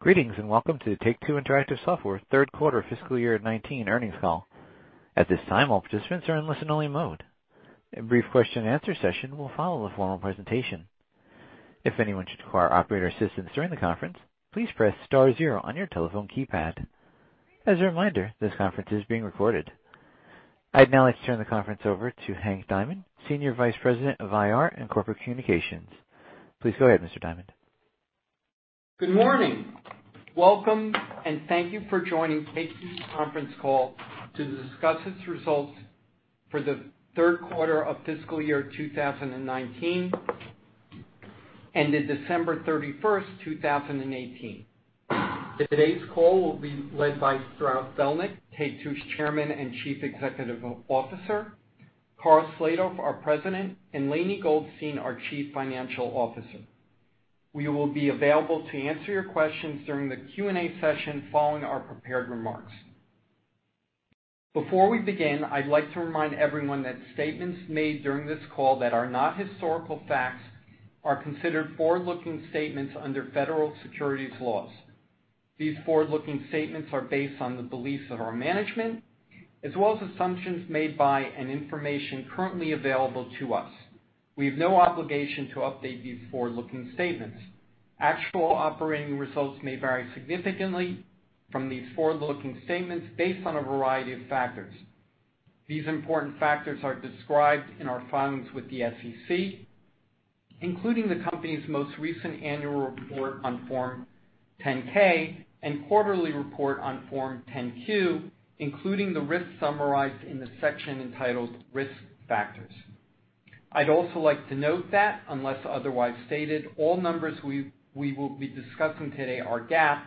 Greetings, and welcome to Take-Two Interactive Software Q3 fiscal year 2019 earnings call. At this time, all participants are in listen-only mode. A brief question and answer session will follow the formal presentation. If anyone should require operator assistance during the conference, please press star zero on your telephone keypad. As a reminder, this conference is being recorded. I'd now like to turn the conference over to Henry Diamond, Senior Vice President of IR and Corporate Communications. Please go ahead, Mr. Diamond. Good morning. Welcome, and thank you for joining Take-Two's conference call to discuss its results for the Q3 of fiscal year 2019, ended 31 December 2018. Today's call will be led by Strauss Zelnick, Take-Two's Chairman and Chief Executive Officer, Karl Slatoff, our President, and Lainie Goldstein, our Chief Financial Officer. We will be available to answer your questions during the Q&A session following our prepared remarks. Before we begin, I'd like to remind everyone that statements made during this call that are not historical facts are considered forward-looking statements under Federal Securities Laws. These forward-looking statements are based on the beliefs of our management as well as assumptions made by and information currently available to us. We have no obligation to update these forward-looking statements. Actual operating results may vary significantly from these forward-looking statements based on a variety of factors. These important factors are described in our filings with the SEC, including the company's most recent annual report on Form 10-K and quarterly report on Form 10-Q, including the risks summarized in the section entitled risk factors. I'd also like to note that unless otherwise stated, all numbers we will be discussing today are GAAP,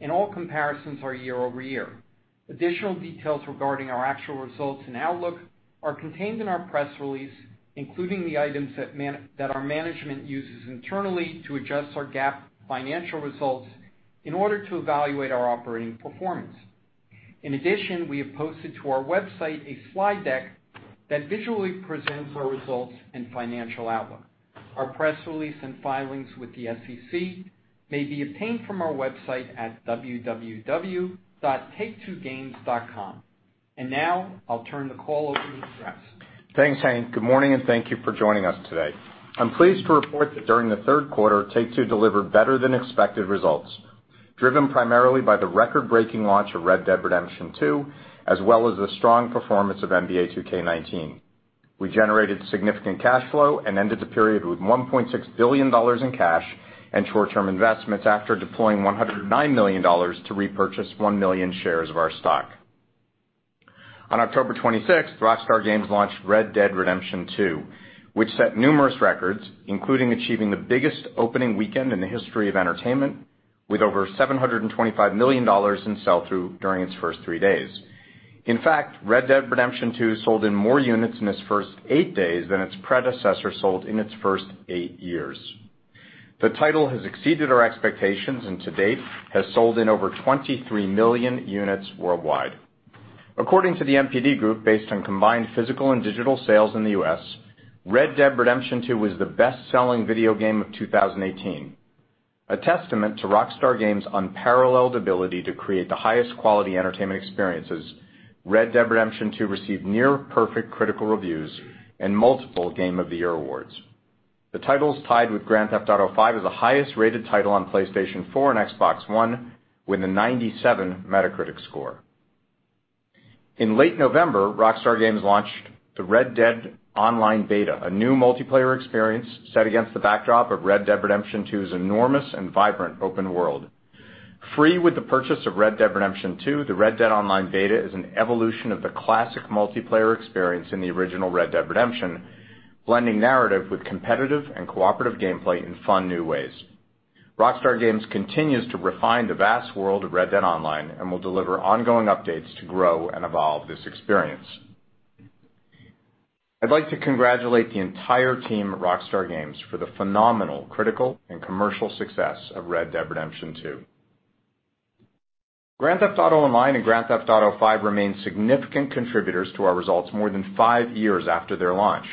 and all comparisons are year-over-year. Additional details regarding our actual results and outlook are contained in our press release, including the items that our management uses internally to adjust our GAAP financial results in order to evaluate our operating performance. In addition, we have posted to our website a slide deck that visually presents our results and financial outlook. Our press release and filings with the SEC may be obtained from our website at www.taketwogames.com. I'll turn the call over to Strauss. Thanks, Hank. Good morning, and thank you for joining us today. I'm pleased to report that during the Q3, Take-Two delivered better than expected results, driven primarily by the record-breaking launch of Red Dead Redemption 2, as well as the strong performance of NBA 2K19. We generated significant cash flow and ended the period with $1.6 billion in cash and short-term investments after deploying $109 million to repurchase 1 million shares of our stock. On 26 October, Rockstar Games launched Red Dead Redemption 2, which set numerous records, including achieving the biggest opening weekend in the history of entertainment with over $725 million in sell-through during its first three days. In fact, Red Dead Redemption 2 sold in more units in its first eight days than its predecessor sold in its first eight years. The title has exceeded our expectations, and to date, has sold in over 23 million units worldwide. According to The NPD Group, based on combined physical and digital sales in the U.S., Red Dead Redemption 2 was the best-selling video game of 2018. A testament to Rockstar Games' unparalleled ability to create the highest quality entertainment experiences, Red Dead Redemption 2 received near perfect critical reviews and multiple game of the year awards. The title is tied with Grand Theft Auto V as the highest rated title on PlayStation 4 and Xbox One with a 97 Metacritic score. In late November, Rockstar Games launched the Red Dead Online beta, a new multiplayer experience set against the backdrop of Red Dead Redemption 2's enormous and vibrant open world. Free with the purchase of Red Dead Redemption 2, the Red Dead Online beta is an evolution of the classic multiplayer experience in the original Red Dead Redemption, blending narrative with competitive and cooperative gameplay in fun new ways. Rockstar Games continues to refine the vast world of Red Dead Online and will deliver ongoing updates to grow and evolve this experience. I'd like to congratulate the entire team at Rockstar Games for the phenomenal critical and commercial success of Red Dead Redemption 2. Grand Theft Auto Online and Grand Theft Auto V remain significant contributors to our results more than five years after their launch.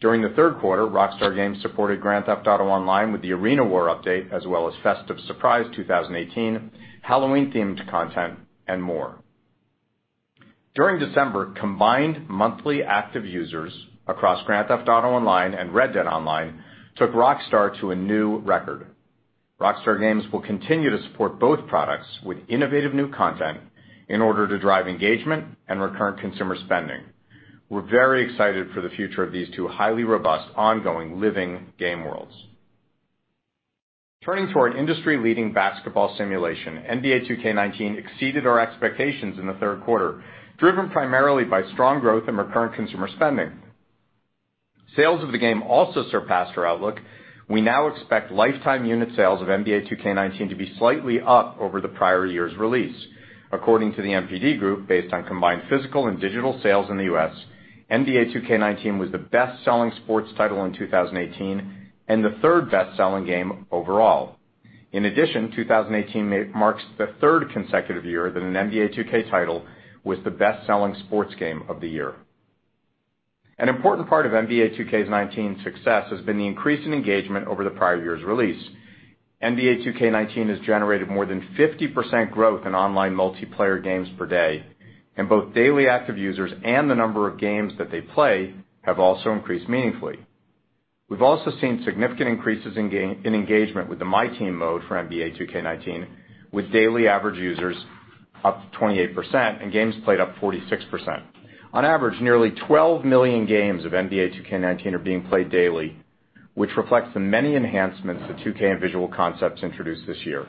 During the Q3, Rockstar Games supported Grand Theft Auto Online with the Arena War update as well as Festive Surprise 2018, Halloween-themed content, and more. During December, combined monthly active users across Grand Theft Auto Online and Red Dead Online took Rockstar to a new record. Rockstar Games will continue to support both products with innovative new content in order to drive engagement and recurrent consumer spending. We're very excited for the future of these two highly robust, ongoing living game worlds. Turning to our industry-leading basketball simulation, NBA 2K19 exceeded our expectations in the Q3, driven primarily by strong growth in recurrent consumer spending. Sales of the game also surpassed our outlook. We now expect lifetime unit sales of NBA 2K19 to be slightly up over the prior year's release. According to The NPD Group, based on combined physical and digital sales in the U.S., NBA 2K19 was the best-selling sports title in 2018 and the third best-selling game overall. In addition, 2018 marks the third consecutive year that an NBA 2K title was the best-selling sports game of the year. An important part of NBA 2K19's success has been the increase in engagement over the prior year's release. NBA 2K19 has generated more than 50% growth in online multiplayer games per day, and both daily active users and the number of games that they play have also increased meaningfully. We've also seen significant increases in engagement with the MyTEAM mode for NBA 2K19, with daily average users up 28% and games played up 46%. On average, nearly 12 million games of NBA 2K19 are being played daily, which reflects the many enhancements that 2K and Visual Concepts introduced this year.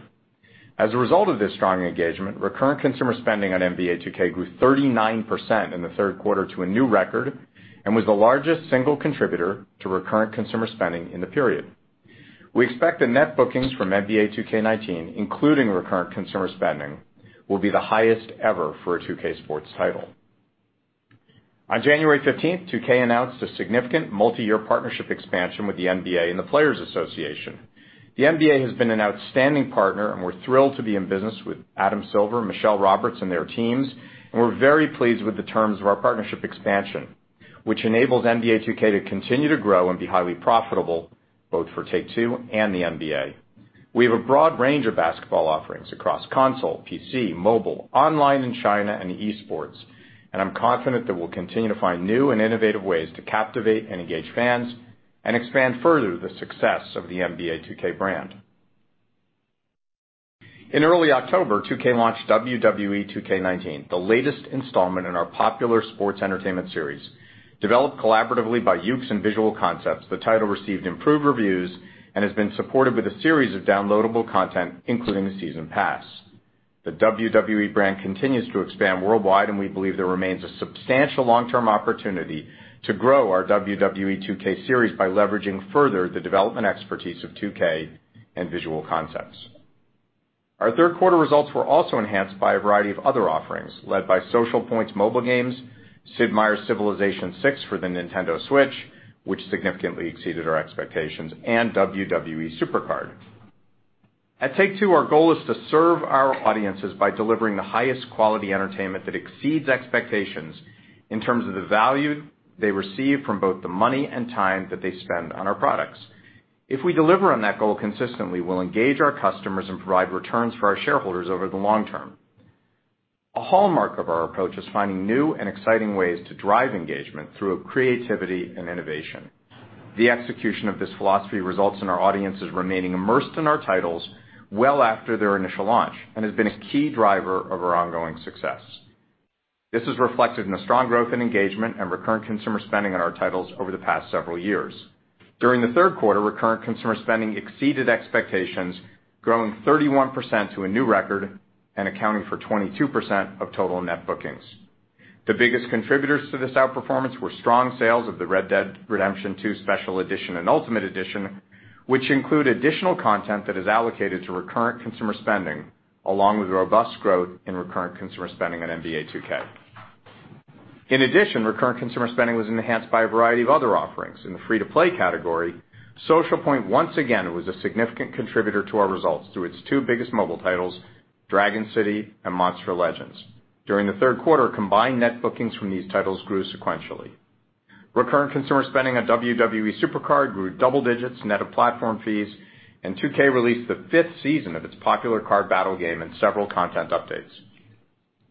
As a result of this strong engagement, recurrent consumer spending on NBA 2K grew 39% in the Q3 to a new record and was the largest single contributor to recurrent consumer spending in the period. We expect the net bookings from NBA 2K19, including recurrent consumer spending, will be the highest ever for a 2K sports title. On 15 January, 2K announced a significant multi-year partnership expansion with the NBA and the Players Association. The NBA has been an outstanding partner. We're thrilled to be in business with Adam Silver, Michele Roberts, and their teams. We're very pleased with the terms of our partnership expansion, which enables NBA 2K to continue to grow and be highly profitable, both for Take-Two and the NBA. We have a broad range of basketball offerings across console, PC, mobile, online in China, and e-sports. I'm confident that we'll continue to find new and innovative ways to captivate and engage fans and expand further the success of the NBA 2K brand. In early October, 2K launched WWE 2K19, the latest installment in our popular sports entertainment series. Developed collaboratively by Yuke's and Visual Concepts, the title received improved reviews and has been supported with a series of downloadable content, including the season pass. The WWE brand continues to expand worldwide we believe there remains a substantial long-term opportunity to grow our WWE 2K series by leveraging further the development expertise of 2K and Visual Concepts. Our Q3 results were also enhanced by a variety of other offerings led by Socialpoint's mobile games, Sid Meier's Civilization VI for the Nintendo Switch, which significantly exceeded our expectations, and WWE SuperCard. At Take-Two, our goal is to serve our audiences by delivering the highest quality entertainment that exceeds expectations in terms of the value they receive from both the money and time that they spend on our products. If we deliver on that goal consistently, we'll engage our customers and provide returns for our shareholders over the long term. A hallmark of our approach is finding new and exciting ways to drive engagement through creativity and innovation. The execution of this philosophy results in our audiences remaining immersed in our titles well after their initial launch and has been a key driver of our ongoing success. This is reflected in the strong growth in engagement and recurrent consumer spending on our titles over the past several years. During the Q3, recurrent consumer spending exceeded expectations, growing 31% to a new record and accounting for 22% of total net bookings. The biggest contributors to this outperformance were strong sales of the Red Dead Redemption 2 Special Edition and Ultimate Edition, which include additional content that is allocated to recurrent consumer spending, along with robust growth in recurrent consumer spending on NBA 2K. In addition, recurrent consumer spending was enhanced by a variety of other offerings. In the free-to-play category, Socialpoint once again was a significant contributor to our results through its two biggest mobile titles, Dragon City and Monster Legends. During the Q3, combined net bookings from these titles grew sequentially. Recurrent consumer spending at WWE SuperCard grew double-digits net of platform fees. And 2K released the fifth season of its popular card battle game and several content updates.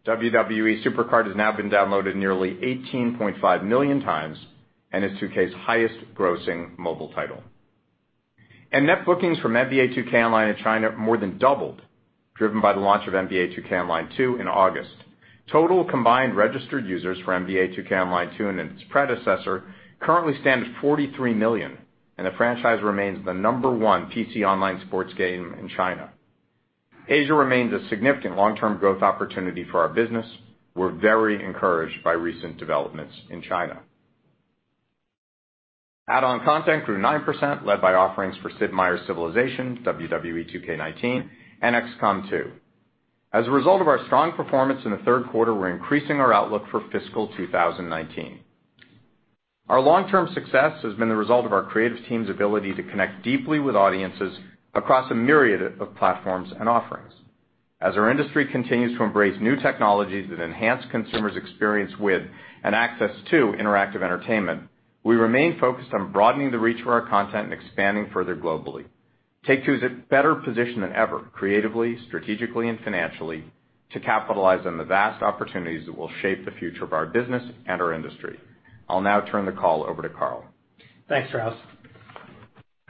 WWE SuperCard has now been downloaded nearly 18.5 million times and is 2K's highest grossing mobile title. Net bookings from NBA 2K Online in China more than doubled, driven by the launch of NBA 2K Online 2 in August. Total combined registered users for NBA 2K Online 2 and its predecessor currently stand at 43 million. The franchise remains the number one PC online sports game in China. Asia remains a significant long-term growth opportunity for our business. We're very encouraged by recent developments in China. Add-on content grew 9%, led by offerings for Sid Meier's Civilization, WWE 2K19, and XCOM 2. As a result of our strong performance in the Q3, we're increasing our outlook for fiscal 2019. Our long-term success has been the result of our creative team's ability to connect deeply with audiences across a myriad of platforms and offerings. As our industry continues to embrace new technologies that enhance consumers' experience with and access to interactive entertainment, we remain focused on broadening the reach of our content and expanding further globally. Take-Two is in a better position than ever, creatively, strategically, and financially, to capitalize on the vast opportunities that will shape the future of our business and our industry. I'll now turn the call over to Karl. Thanks, Strauss.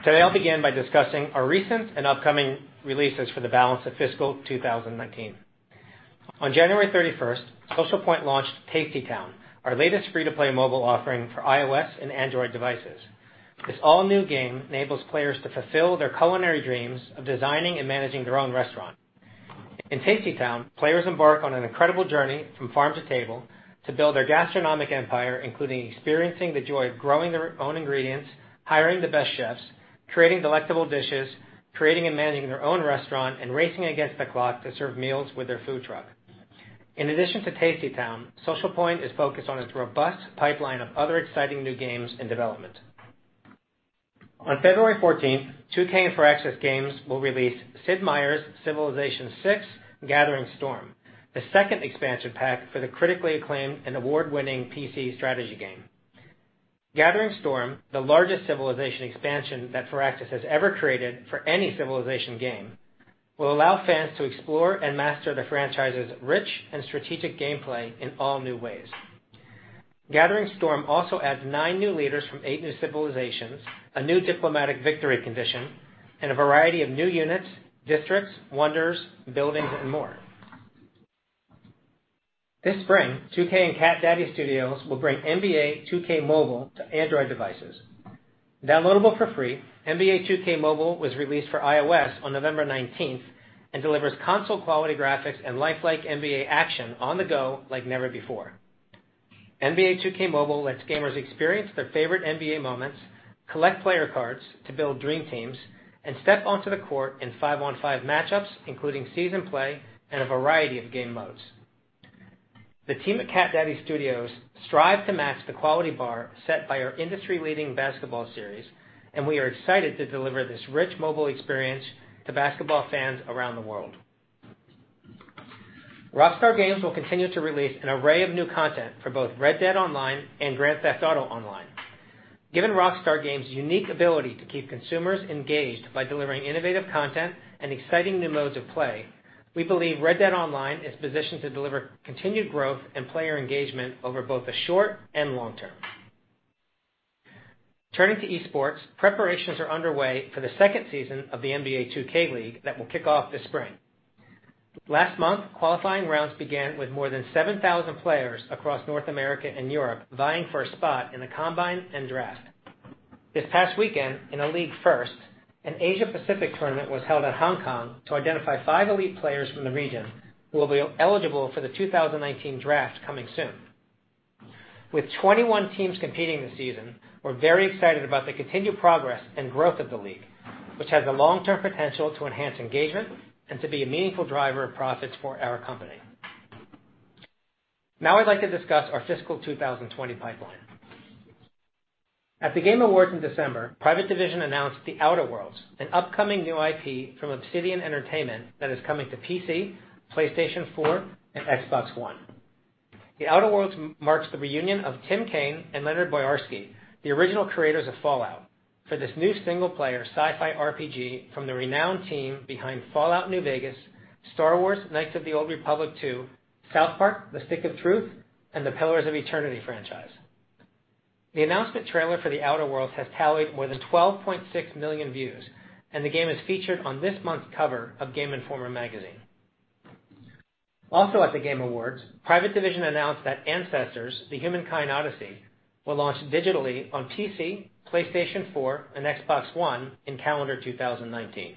Today, I'll begin by discussing our recent and upcoming releases for the balance of fiscal 2019. On 31 January, Socialpoint launched Tasty Town, our latest free-to-play mobile offering for iOS and Android devices. This all-new game enables players to fulfill their culinary dreams of designing and managing their own restaurant. In Tasty Town, players embark on an incredible journey from farm to table to build their gastronomic empire, including experiencing the joy of growing their own ingredients, hiring the best chefs, creating delectable dishes, creating and managing their own restaurant, and racing against the clock to serve meals with their food truck. In addition to Tasty Town, Socialpoint is focused on its robust pipeline of other exciting new games in development. On 14 February, 2K and Firaxis Games will release "Sid Meier's Civilization VI: Gathering Storm," the second expansion pack for the critically acclaimed and award-winning PC strategy game. Gathering Storm," the largest Civilization expansion that Firaxis has ever created for any Civilization game, will allow fans to explore and master the franchise's rich and strategic gameplay in all new ways. "Gathering Storm" also adds nine new leaders from eight new civilizations, a new diplomatic victory condition, and a variety of new units, districts, wonders, buildings, and more. This spring, 2K and Cat Daddy Studios will bring "NBA 2K Mobile" to Android devices. Downloadable for free, "NBA 2K Mobile" was released for iOS on 19 November and delivers console-quality graphics and lifelike NBA action on the go like never before. "NBA 2K Mobile" lets gamers experience their favorite NBA moments, collect player cards to build dream teams, and step onto the court in five-on-five match-ups, including season play and a variety of game modes. The team at Cat Daddy Games strive to match the quality bar set by our industry-leading basketball series. We are excited to deliver this rich mobile experience to basketball fans around the world. Rockstar Games will continue to release an array of new content for both "Red Dead Online" and "Grand Theft Auto Online." Given Rockstar Games' unique ability to keep consumers engaged by delivering innovative content and exciting new modes of play, we believe "Red Dead Online" is positioned to deliver continued growth and player engagement over both the short and long term. Turning to esports, preparations are underway for the second season of the NBA 2K League that will kick off this spring. Last month, qualifying rounds began with more than 7,000 players across North America and Europe vying for a spot in the Combine and Draft. This past weekend, in a league first, an Asia-Pacific tournament was held at Hong Kong to identify five elite players from the region who will be eligible for the 2019 draft coming soon. With 21 teams competing this season, we're very excited about the continued progress and growth of the league, which has the long-term potential to enhance engagement and to be a meaningful driver of profits for our company. Now I'd like to discuss our fiscal 2020 pipeline. At The Game Awards in December, Private Division announced "The Outer Worlds," an upcoming new IP from Obsidian Entertainment that is coming to PC, PlayStation 4, and Xbox One. The Outer Worlds" marks the reunion of Tim Cain and Leonard Boyarsky, the original creators of "Fallout," for this new single-player sci-fi RPG from the renowned team behind "Fallout: New Vegas," "Star Wars: Knights of the Old Republic II," "South Park: The Stick of Truth," and the "Pillars of Eternity" franchise. The announcement trailer for "The Outer Worlds" has tallied more than 12.6 million views. The game is featured on this month's cover of Game Informer magazine. Also at The Game Awards, Private Division announced that "Ancestors: The Humankind Odyssey," will launch digitally on PC, PlayStation 4, and Xbox One in calendar 2019.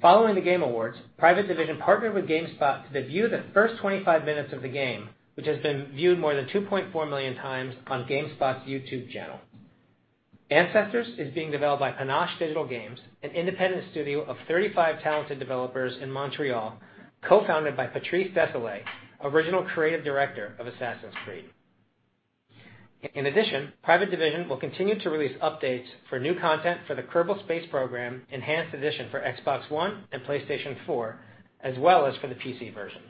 Following The Game Awards, Private Division partnered with GameSpot to debut the first 25 minutes of the game, which has been viewed more than 2.4 million times on GameSpot's youtube channel. Ancestors" is being developed by Panache Digital Games, an independent studio of 35 talented developers in Montreal, co-founded by Patrice Désilets, original creative director of "Assassin's Creed." In addition, Private Division will continue to release updates for new content for the "Kerbal Space Program: Enhanced Edition" for Xbox One and PlayStation 4, as well as for the PC version.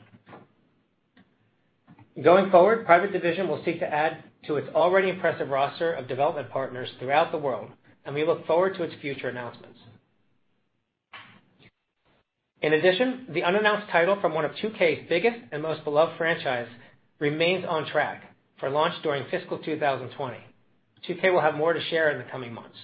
Going forward, Private Division will seek to add to its already impressive roster of development partners throughout the world. We look forward to its future announcements. In addition, the unannounced title from one of 2K's biggest and most beloved franchises remains on track for launch during fiscal 2020. 2K will have more to share in the coming months.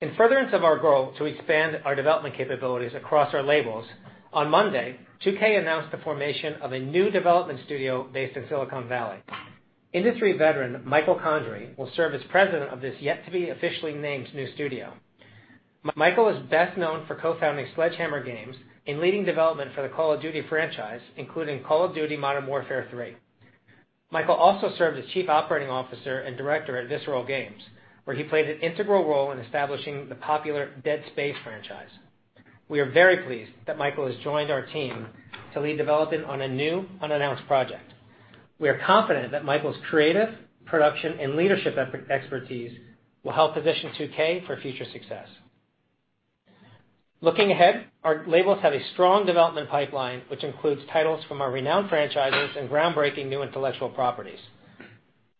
In furtherance of our goal to expand our development capabilities across our labels, on Monday, 2K announced the formation of a new development studio based in Silicon Valley. Industry veteran Michael Condrey will serve as president of this yet-to-be-officially-named new studio. Michael is best known for co-founding Sledgehammer Games and leading development for the "Call of Duty" franchise, including "Call of Duty: Modern Warfare III." Michael also served as Chief Operating Officer and Director at Visceral Games, where he played an integral role in establishing the popular "Dead Space" franchise. We are very pleased that Michael has joined our team to lead development on a new unannounced project. We are confident that Michael's creative, production, and leadership expertise will help position 2K for future success. Looking ahead, our labels have a strong development pipeline, which includes titles from our renowned franchises and groundbreaking new intellectual properties.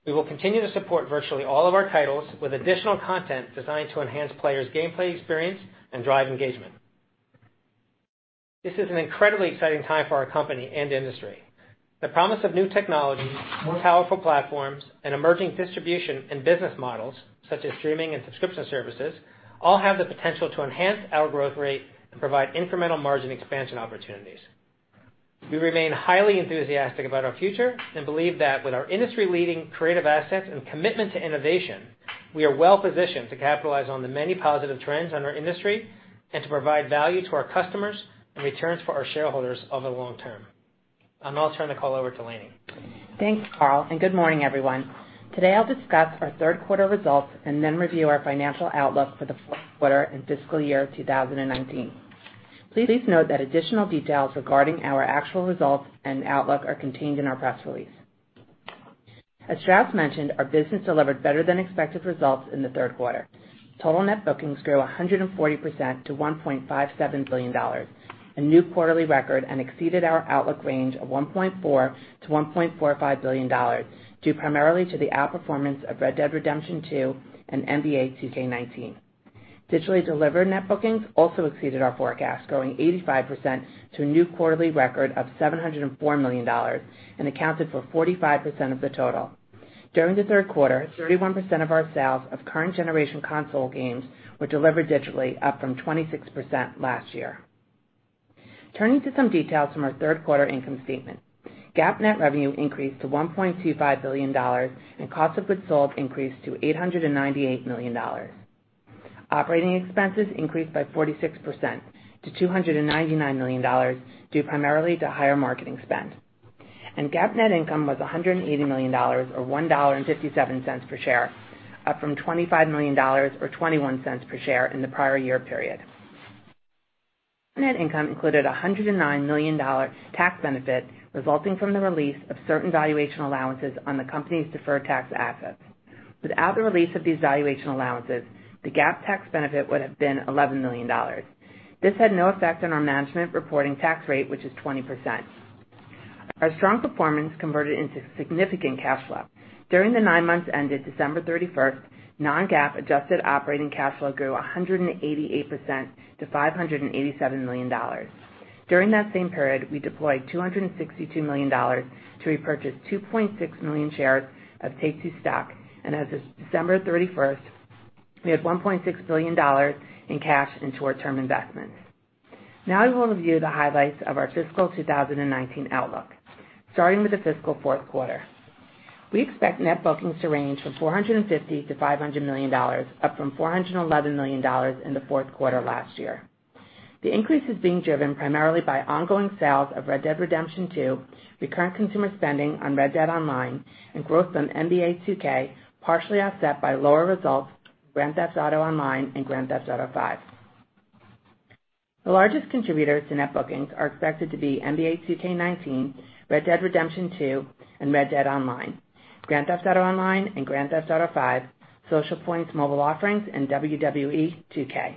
We will continue to support virtually all of our titles with additional content designed to enhance players' gameplay experience and drive engagement. This is an incredibly exciting time for our company and industry. The promise of new technology, more powerful platforms, and emerging distribution and business models, such as streaming and subscription services, all have the potential to enhance our growth rate and provide incremental margin expansion opportunities. We remain highly enthusiastic about our future and believe that with our industry-leading creative assets and commitment to innovation, we are well-positioned to capitalize on the many positive trends in our industry and to provide value to our customers and returns for our shareholders over the long term. I'll now turn the call over to Lainie. Thanks, Karl, good morning, everyone. Today, I'll discuss our Q3 results and then review our financial outlook for the Q4 and fiscal year 2019. Please note that additional details regarding our actual results and outlook are contained in our press release. As Strauss mentioned, our business delivered better than expected results in the Q3. Total net bookings grew 140% to $1.57 billion, a new quarterly record, and exceeded our outlook range of $1.4 billion-$1.45 billion, due primarily to the outperformance of "Red Dead Redemption 2" and "NBA 2K19." Digitally delivered net bookings also exceeded our forecast, growing 85% to a new quarterly record of $704 million, and accounted for 45% of the total. During the Q3, 31% of our sales of current generation console games were delivered digitally, up from 26% last year. Turning to some details from our Q3 income statement. GAAP net revenue increased to $1.25 billion, and cost of goods sold increased to $898 million. Operating expenses increased by 46% to $299 million, due primarily to higher marketing spend. GAAP net income was $180 million, or $1.57 per share, up from $25 million or $0.21 per share in the prior year period. Net income included $109 million tax benefit resulting from the release of certain valuation allowances on the company's deferred tax assets. Without the release of these valuation allowances, the GAAP tax benefit would have been $11 million. This had no effect on our management reporting tax rate, which is 20%. Our strong performance converted into significant cash flow. During the nine months ended 31 December, non-GAAP adjusted operating cash flow grew 188% to $587 million. During that same period, we deployed $262 million to repurchase 2.6 million shares of Take-Two stock. As of 31 December, we had $1.6 billion in cash and short-term investments. We will review the highlights of our fiscal 2019 outlook, starting with the fiscal Q4. We expect net bookings to range from $450 million-$500 million, up from $411 million in the Q4 last year. The increase is being driven primarily by ongoing sales of Red Dead Redemption 2, recurrent consumer spending on Red Dead Online, and growth on NBA 2K, partially offset by lower results from Grand Theft Auto Online and Grand Theft Auto V. The largest contributors to net bookings are expected to be NBA 2K19, Red Dead Redemption 2, and Red Dead Online, Grand Theft Auto Online and Grand Theft Auto V, Socialpoint's mobile offerings, and WWE 2K.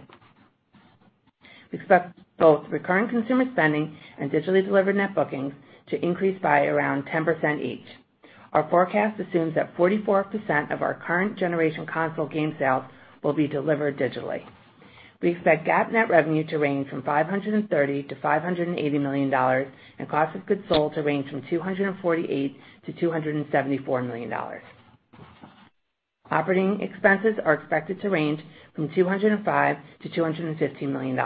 We expect both recurring consumer spending and digitally delivered net bookings to increase by around 10% each. Our forecast assumes that 44% of our current generation console game sales will be delivered digitally. We expect GAAP net revenue to range from $530 million-$580 million and cost of goods sold to range from $248 million-$274 million. Operating expenses are expected to range from $205 million-$215 million.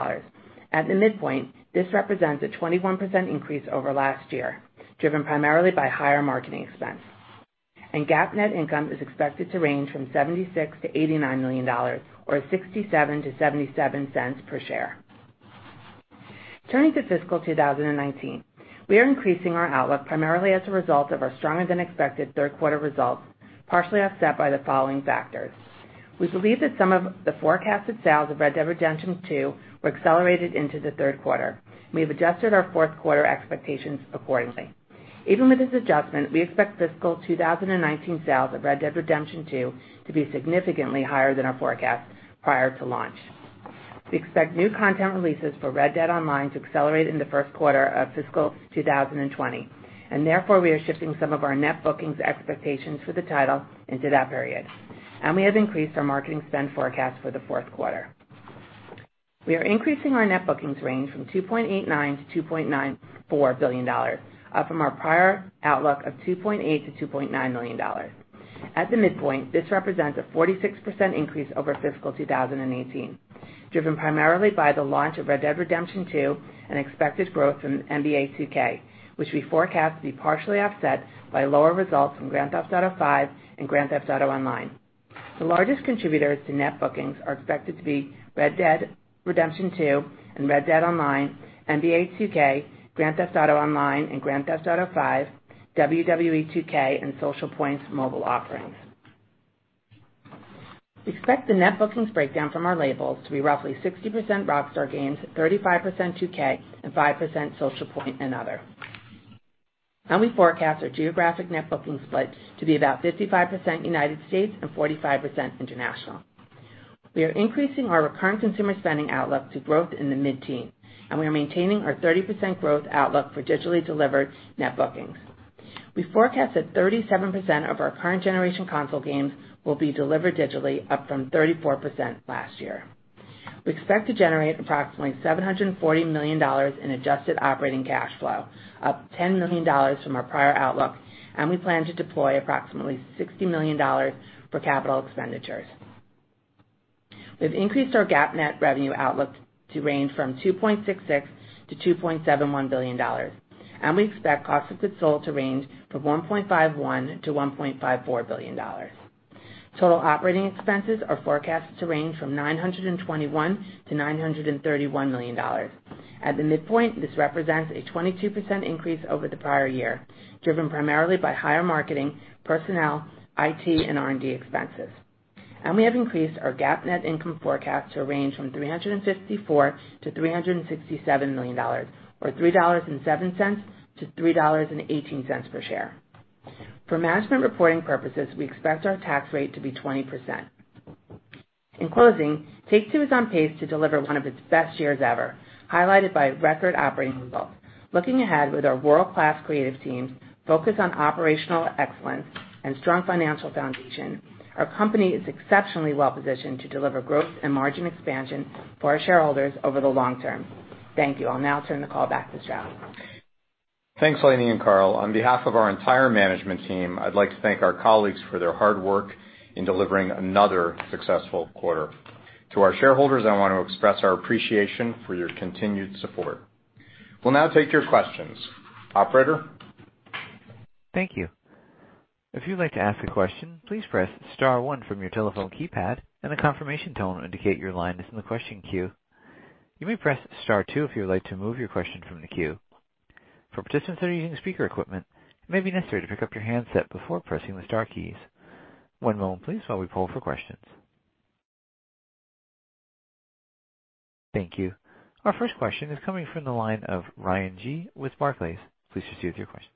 At the midpoint, this represents a 21% increase over last year, driven primarily by higher marketing expense. GAAP net income is expected to range from $76 million-$89 million, or $0.67-$0.77 per share. Turning to fiscal 2019, we are increasing our outlook primarily as a result of our stronger than expected Q3 results, partially offset by the following factors. We believe that some of the forecasted sales of Red Dead Redemption 2 were accelerated into the Q3. We have adjusted our Q4 expectations accordingly. Even with this adjustment, we expect fiscal 2019 sales of Red Dead Redemption 2 to be significantly higher than our forecast prior to launch. We expect new content releases for Red Dead Online to accelerate in the Q1 of fiscal 2020. Therefore, we are shifting some of our net bookings expectations for the title into that period. We have increased our marketing spend forecast for the Q4. We are increasing our net bookings range from $2.89 billion-$2.94 billion, up from our prior outlook of $2.8 million-$2.9 million. At the midpoint, this represents a 46% increase over fiscal 2018, driven primarily by the launch of Red Dead Redemption 2 and expected growth in NBA 2K, which we forecast to be partially offset by lower results from Grand Theft Auto V and Grand Theft Auto Online. The largest contributors to net bookings are expected to be Red Dead Redemption 2 and Red Dead Online, NBA 2K, Grand Theft Auto Online and Grand Theft Auto V, WWE 2K, and Socialpoint's mobile offerings. We expect the net bookings breakdown from our labels to be roughly 60% Rockstar Games, 35% 2K, and 5% Socialpoint and other. We forecast our geographic net bookings split to be about 55% United States and 45% international. We are increasing our recurrent consumer spending outlook to growth in the mid-teens, and we are maintaining our 30% growth outlook for digitally delivered net bookings. We forecast that 37% of our current generation console games will be delivered digitally, up from 34% last year. We expect to generate approximately $740 million in adjusted operating cash flow, up $10 million from our prior outlook, and we plan to deploy approximately $60 million for capital expenditures. We have increased our GAAP net revenue outlook to range from $2.66 billion-$2.71 billion, and we expect cost of goods sold to range from $1.51 billion-$1.54 billion. Total operating expenses are forecasted to range from $921 million-$931 million. At the midpoint, this represents a 22% increase over the prior year, driven primarily by higher marketing, personnel, IT, and R&D expenses. We have increased our GAAP net income forecast to range from $354 million-$367 million, or $3.07-$3.18 per share. For management reporting purposes, we expect our tax rate to be 20%. In closing, Take-Two is on pace to deliver one of its best years ever, highlighted by record operating results. Looking ahead with our world-class creative teams, focus on operational excellence, and strong financial foundation, our company is exceptionally well-positioned to deliver growth and margin expansion for our shareholders over the long term. Thank you. I'll now turn the call back to Strauss. Thanks, Lainie and Karl. On behalf of our entire management team, I'd like to thank our colleagues for their hard work in delivering another successful quarter. To our shareholders, I want to express our appreciation for your continued support. We'll now take your questions. Operator? Thank you. If you'd like to ask a question, please press star one from your telephone keypad, and a confirmation tone will indicate your line is in the question queue. You may press star two if you would like to move your question from the queue. For participants that are using speaker equipment, it may be necessary to pick up your handset before pressing the star keys. One moment please while we poll for questions. Thank you. Our first question is coming from the line of Ryan Gee with Barclays. Please proceed with your questions.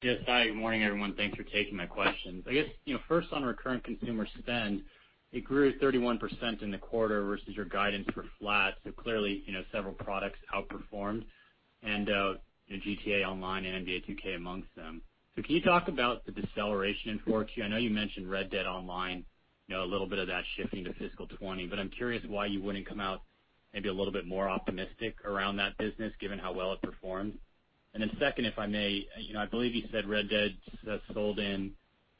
Yes. Hi, good morning, everyone thanks for taking my questions. I guess, first on recurrent consumer spend, it grew 31% in the quarter versus your guidance for flat clearly, several products outperformed and GTA Online and NBA 2K amongst them. Can you talk about the deceleration in Q4? I know you mentioned Red Dead Online, a little bit of that shifting to fiscal 2020, but I'm curious why you wouldn't come out maybe a little bit more optimistic around that business, given how well it performed. Second, if I may, I believe you said Red Dead has sold in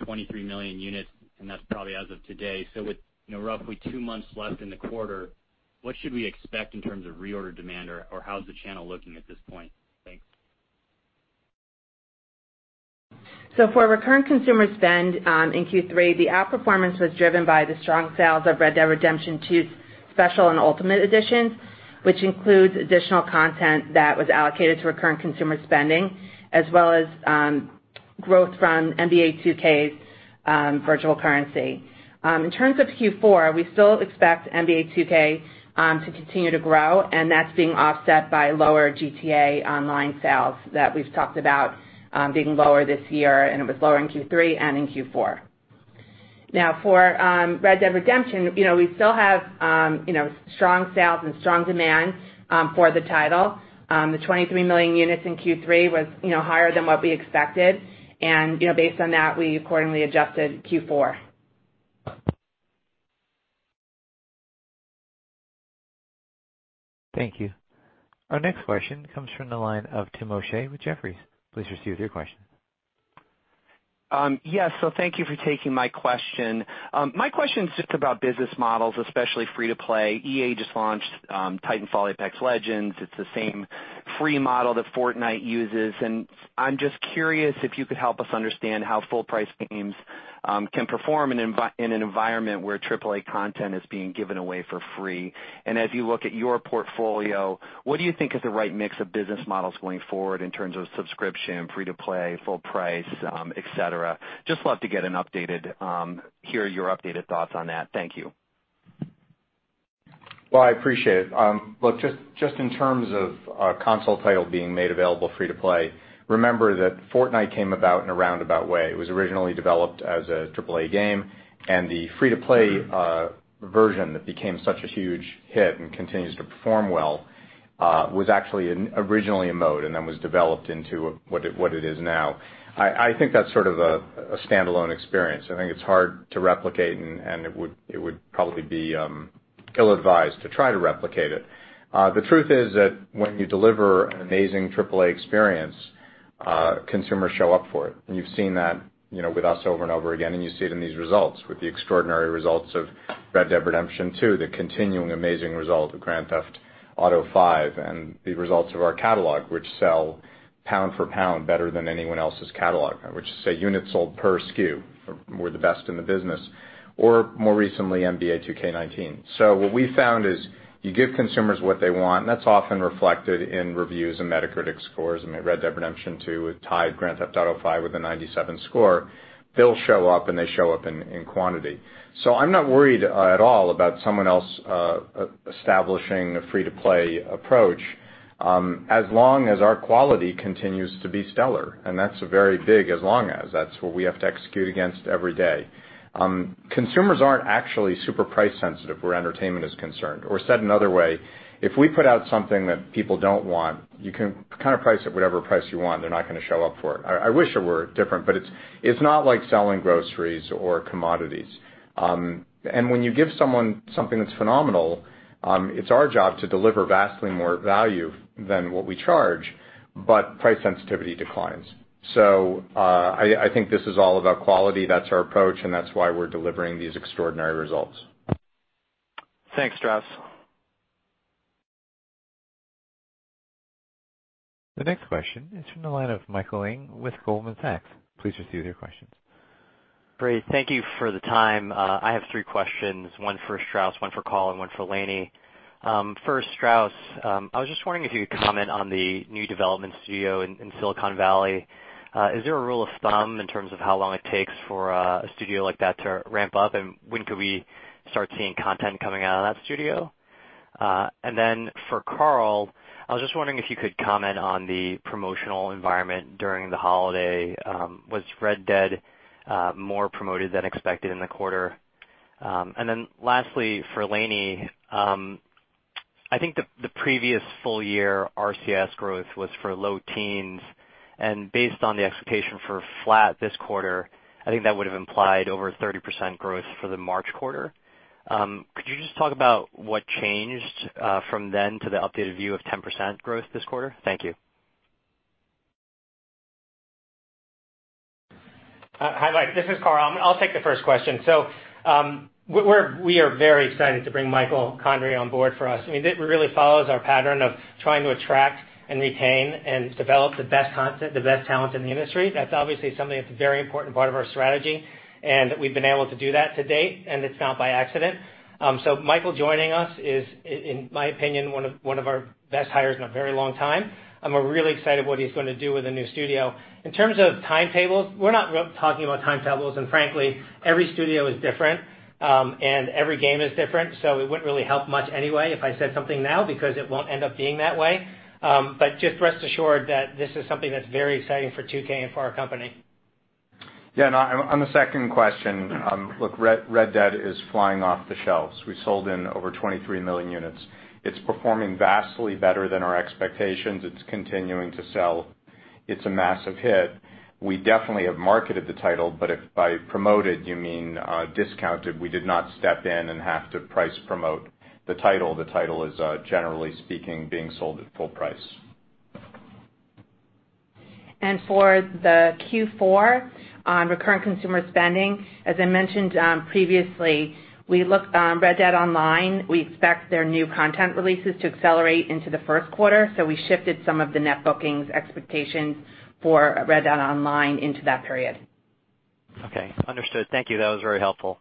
23 million units, and that's probably as of today. With roughly two months left in the quarter, what should we expect in terms of reorder demand, or how's the channel looking at this point? Thanks. For recurrent consumer spend in Q3, the outperformance was driven by the strong sales of Red Dead Redemption 2's Special and Ultimate Editions, which includes additional content that was allocated to recurrent consumer spending, as well as growth from NBA 2K's virtual currency. In terms of Q4, we still expect NBA 2K to continue to grow, and that's being offset by lower GTA Online sales that we've talked about being lower this year, and it was lower in Q3 and in Q4. For Red Dead Redemption, we still have strong sales and strong demand for the title. The 23 million units in Q3 was higher than what we expected and based on that, we accordingly adjusted Q4. Thank you. Our next question comes from the line of Timothy O'Shea with Jefferies. Please proceed with your question. Yes. Thank you for taking my question. My question is just about business models, especially free to play EA just launched Titanfall: Apex Legends. It's the same free model that Fortnite uses, and I'm just curious if you could help us understand how full-price games can perform in an environment where AAA content is being given away for free. As you look at your portfolio, what do you think is the right mix of business models going forward in terms of subscription, free to play, full price, et cetera? Just love to hear your updated thoughts on that. Thank you. I appreciate it. Just in terms of a console title being made available free to play, remember that Fortnite came about in a roundabout way it was originally developed as a AAA game, and the free-to-play version that became such a huge hit and continues to perform well was actually originally a mode and then was developed into what it is now. I think that's sort of a standalone experience. I think it's hard to replicate, and it would probably be ill-advised to try to replicate it. The truth is that when you deliver an amazing AAA experience, consumers show up for it. You've seen that with us over and over again, and you see it in these results with the extraordinary results of Red Dead Redemption 2, the continuing amazing result of Grand Theft Auto V, and the results of our catalog, which sell pound for pound better than anyone else's catalog, which say units sold per SKU. We're the best in the business. More recently, NBA 2K19. What we found is you give consumers what they want, and that's often reflected in reviews and Metacritic scores i mean, Red Dead Redemption 2 tied Grand Theft Auto V with a 97 score. They'll show up, and they show up in quantity. I'm not worried at all about someone else establishing a free-to-play approach, as long as our quality continues to be stellar, and that's a very big as long as that's what we have to execute against every day. Consumers aren't actually super price sensitive where entertainment is concerned said another way, if we put out something that people don't want, you can kind of price it whatever price you want they're not going to show up for it. I wish it were different, but it's not like selling groceries or commodities. When you give someone something that's phenomenal, it's our job to deliver vastly more value than what we charge, but price sensitivity declines. I think this is all about quality. That's our approach, and that's why we're delivering these extraordinary results. Thanks, Strauss. The next question is from the line of Michael Ng with Goldman Sachs. Please proceed with your questions. Great. Thank you for the time. I have three questions. One for Strauss, one for Karl, and one for Lainie. For Strauss, I was just wondering if you could comment on the new development studio in Silicon Valley. Is there a rule of thumb in terms of how long it takes for a studio like that to ramp up, and when could we start seeing content coming out of that studio? For Karl, I was just wondering if you could comment on the promotional environment during the holiday. Was Red Dead more promoted than expected in the quarter? Lastly, for Lainie, I think the previous full year RCS growth was for low teens, and based on the expectation for flat this quarter, I think that would have implied over 30% growth for the March quarter. Could you just talk about what changed from then to the updated view of 10% growth this quarter? Thank you. Hi, Mike. This is Karl. I'll take the first question. We are very excited to bring Michael Condrey on board for us. It really follows our pattern of trying to attract and retain and develop the best content, the best talent in the industry that's obviously something that's a very important part of our strategy, and we've been able to do that to date, and it's not by accident. Michael joining us is, in my opinion, one of our best hires in a very long time, and we're really excited what he's going to do with the new studio. In terms of timetables, we're not talking about timetables, and frankly, every studio is different, and every game is different, so it wouldn't really help much anyway if I said something now, because it won't end up being that way. Just rest assured that this is something that's very exciting for 2K and for our company. Yeah, no. On the second question, look, Red Dead is flying off the shelves. We sold in over 23 million units. It's performing vastly better than our expectations it's continuing to sell. It's a massive hit. We definitely have marketed the title, but if by promoted you mean discounted, we did not step in and have to price promote the title, the title is, generally speaking, being sold at full price. For the Q4, on recurrent consumer spending, as I mentioned previously, we looked on Red Dead Online. We expect their new content releases to accelerate into the Q1, so we shifted some of the net bookings expectations for Red Dead Online into that period. Okay, understood. Thank you. That was very helpful.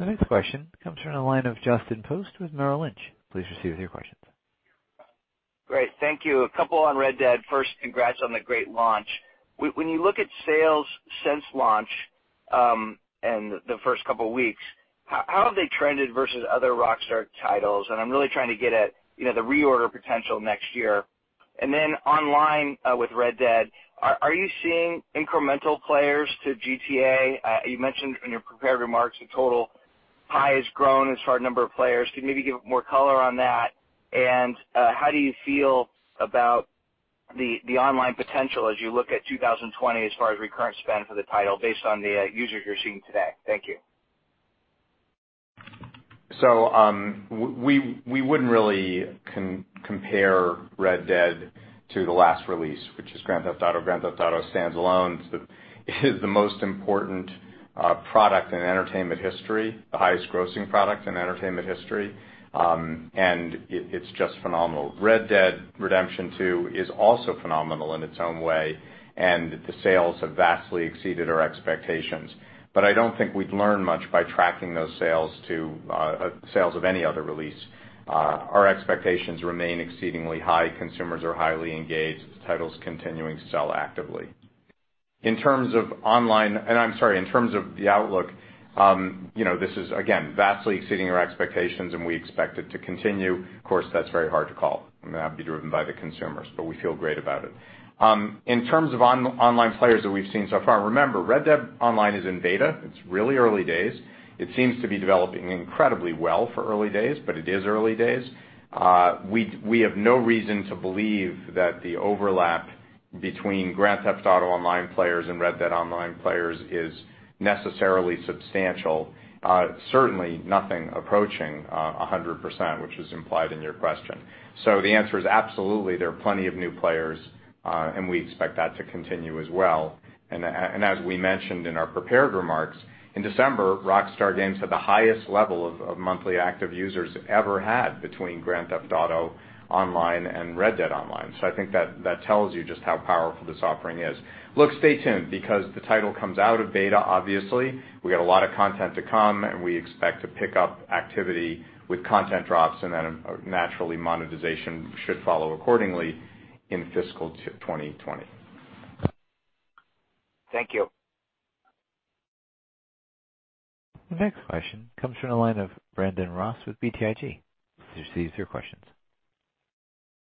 The next question comes from the line of Justin Post with Merrill Lynch. Please proceed with your questions. Great. Thank you. A couple on Red Dead first, congrats on the great launch. When you look at sales since launch, and the first couple of weeks, how have they trended versus other Rockstar titles? I'm really trying to get at the reorder potential next year. Then online with Red Dead, are you seeing incremental players to GTA? You mentioned in your prepared remarks the total pie has grown as far as number of players. Could you maybe give more color on that?and how do you feel about the online potential as you look at 2020 as far as recurrent spend for the title based on the users you're seeing today? Thank you. We wouldn't really compare Red Dead to the last release, which is Grand Theft Auto, Grand Theft Auto stands alone. It is the most important product in entertainment history, the highest grossing product in entertainment history, and it's just phenomenal. Red Dead Redemption 2 is also phenomenal in its own way, and the sales have vastly exceeded our expectations. I don't think we'd learn much by tracking those sales to sales of any other release. Our expectations remain exceedingly high. Consumers are highly engaged, the title's continuing to sell actively. In terms of the outlook, this is, again, vastly exceeding our expectations, and we expect it to continue. Of course, that's very hard to call, and that'd be driven by the consumers, but we feel great about it. In terms of online players that we've seen so far, remember, Red Dead Online is in beta. It's really early days. It seems to be developing incredibly well for early days, but it is early days. We have no reason to believe that the overlap between Grand Theft Auto Online players and Red Dead Online players is necessarily substantial. Certainly nothing approaching 100%, which is implied in your question. The answer is absolutely, there are plenty of new players, and we expect that to continue as well. As we mentioned in our prepared remarks, in December, Rockstar Games had the highest level of monthly active users it ever had between Grand Theft Auto Online and Red Dead Online so i think that tells you just how powerful this offering is. Look, stay tuned, because the title comes out of beta, obviously. We got a lot of content to come, we expect to pick up activity with content drops, naturally, monetization should follow accordingly in fiscal 2020. Thank you. The next question comes from the line of Brandon Ross with BTIG. Please proceed with your questions.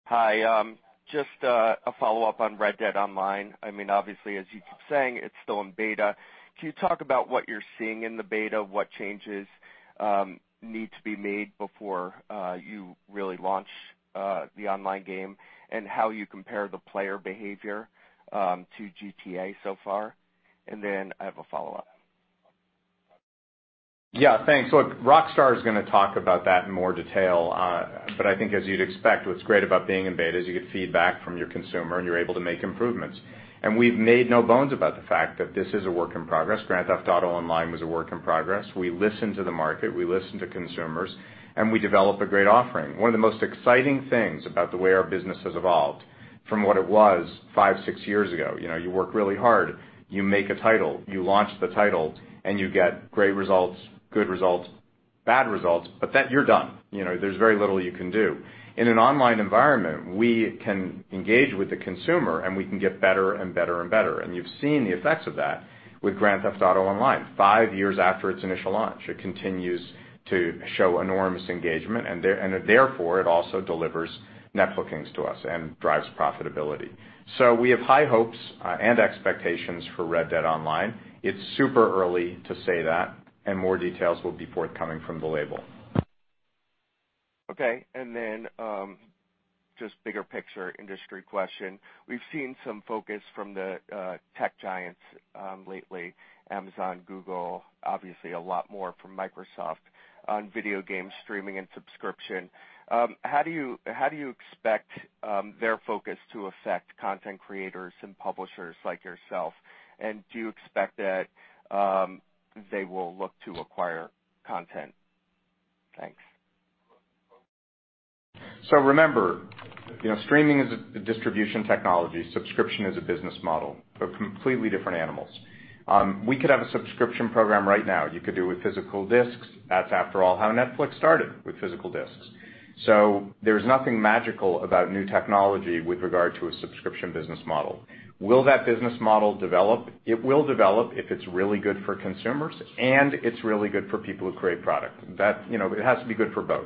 Hi, just a follow-up on Red Dead Online. Obviously, as you keep saying, it's still in beta. Can you talk about what you're seeing in the beta, what changes need to be made before you really launch the online game? and how you compare the player behavior to GTA so far? I have a follow-up. Yeah. Thanks look, Rockstar is going to talk about that in more detail. I think as you'd expect, what's great about being in beta is you get feedback from your consumer and you're able to make improvements. We've made no bones about the fact that this is a work in progress Grand Theft Auto Online was a work in progress. We listen to the market, we listen to consumers, and we develop a great offering, one of the most exciting things about the way our business has evolved from what it was five, six years ago, you work really hard, you make a title, you launch the title, and you get great results, good results, bad results, but that you're done. There's very little you can do. In an online environment, we can engage with the consumer, and we can get better and better and better, and you've seen the effects of that. With Grand Theft Auto Online, five years after its initial launch, it continues to show enormous engagement, and therefore, it also delivers net bookings to us and drives profitability. We have high hopes and expectations for Red Dead Online. It's super early to say that, and more details will be forthcoming from the label. Okay. Just bigger picture industry question. We've seen some focus from the tech giants lately, Amazon, Google, obviously a lot more from Microsoft on video game streaming and subscription. How do you expect their focus to affect content creators and publishers like yourself? Do you expect that they will look to acquire content? Thanks. Remember, streaming is a distribution technology, subscription is a business model. They're completely different animals. We could have a subscription program right now, you could do it with physical discs. That's, after all, how Netflix started, with physical discs. There's nothing magical about new technology with regard to a subscription business model. Will that business model develop? It will develop if it's really good for consumers and it's really good for people who create product. It has to be good for both.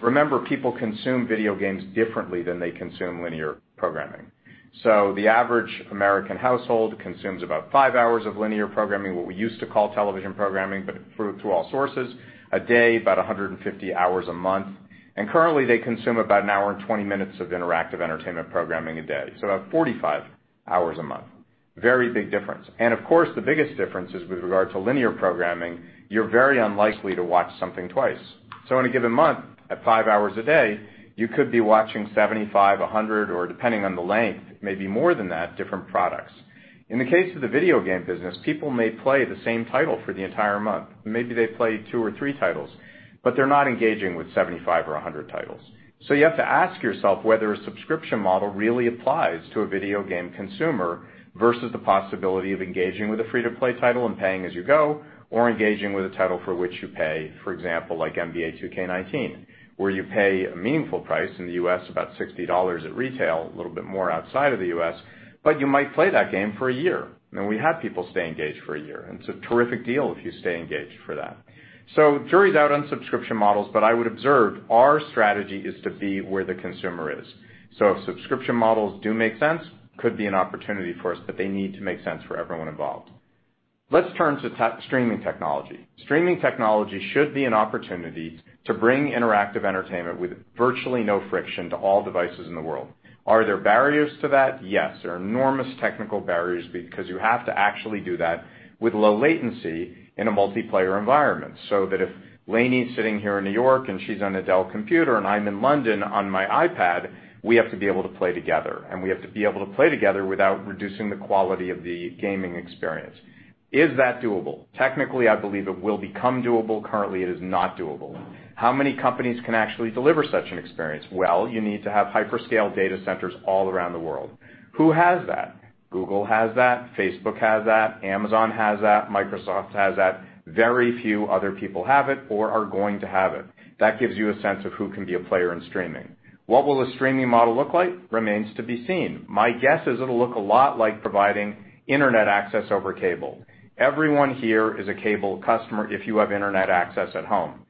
Remember, people consume video games differently than they consume linear programming. The average American household consumes about five hours of linear programming, what we used to call television programming, but through all sources, a day, about 150 hours a month. Currently, they consume about an hour and 20 minutes of interactive entertainment programming a day, about 45 hours a month. Very big difference. Of course, the biggest difference is with regard to linear programming, you're very unlikely to watch something twice. In a given month, at five hours a day, you could be watching 75, 100, or depending on the length, maybe more than that, different products. In the case of the video game business, people may play the same title for the entire month. Maybe they play two or three titles. They're not engaging with 75 or 100 titles. You have to ask yourself whether a subscription model really applies to a video game consumer versus the possibility of engaging with a free-to-play title and paying as you go, or engaging with a title for which you pay, for example, like NBA 2K19, where you pay a meaningful price, in the U.S., about $60 at retail, a little bit more outside of the U.S., you might play that game for a year. We have people stay engaged for a year, and it's a terrific deal if you stay engaged for that. Jury's out on subscription models, but I would observe our strategy is to be where the consumer is. If subscription models do make sense, could be an opportunity for us, but they need to make sense for everyone involved. Let's turn to streaming technology. Streaming technology should be an opportunity to bring interactive entertainment with virtually no friction to all devices in the world. Are there barriers to that? Yes, there are enormous technical barriers because you have to actually do that with low latency in a multiplayer environment so that if Lainie's sitting here in New York and she's on a Dell computer and I'm in London on my iPad, we have to be able to play together, and we have to be able to play together without reducing the quality of the gaming experience. Is that doable? Technically, I believe it will become doable currently, it is not doable. How many companies can actually deliver such an experience? You need to have hyperscale data centers all around the world. Who has that? Google has that. Facebook has that. Amazon has that. Microsoft has that. Very few other people have it or are going to have it. That gives you a sense of who can be a player in streaming. What will the streaming model look like? Remains to be seen. My guess is it'll look a lot like providing internet access over cable. Everyone here is a cable customer if you have internet access at home.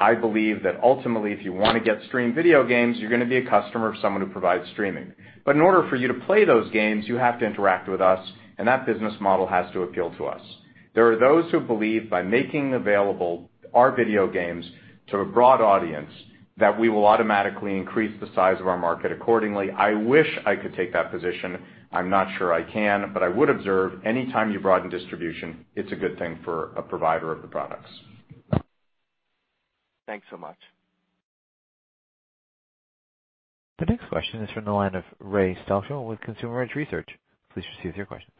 I believe that ultimately, if you want to get stream video games, you're going to be a customer of someone who provides streaming. In order for you to play those games, you have to interact with us, and that business model has to appeal to us. There are those who believe by making available our video games to a broad audience that we will automatically increase the size of our market accordingly i wish I could take that position. I'm not sure I can, but I would observe anytime you broaden distribution, it's a good thing for a provider of the products. Thanks so much. The next question is from the line of Raymond Stochel with Consumer Edge Research. Please proceed with your question.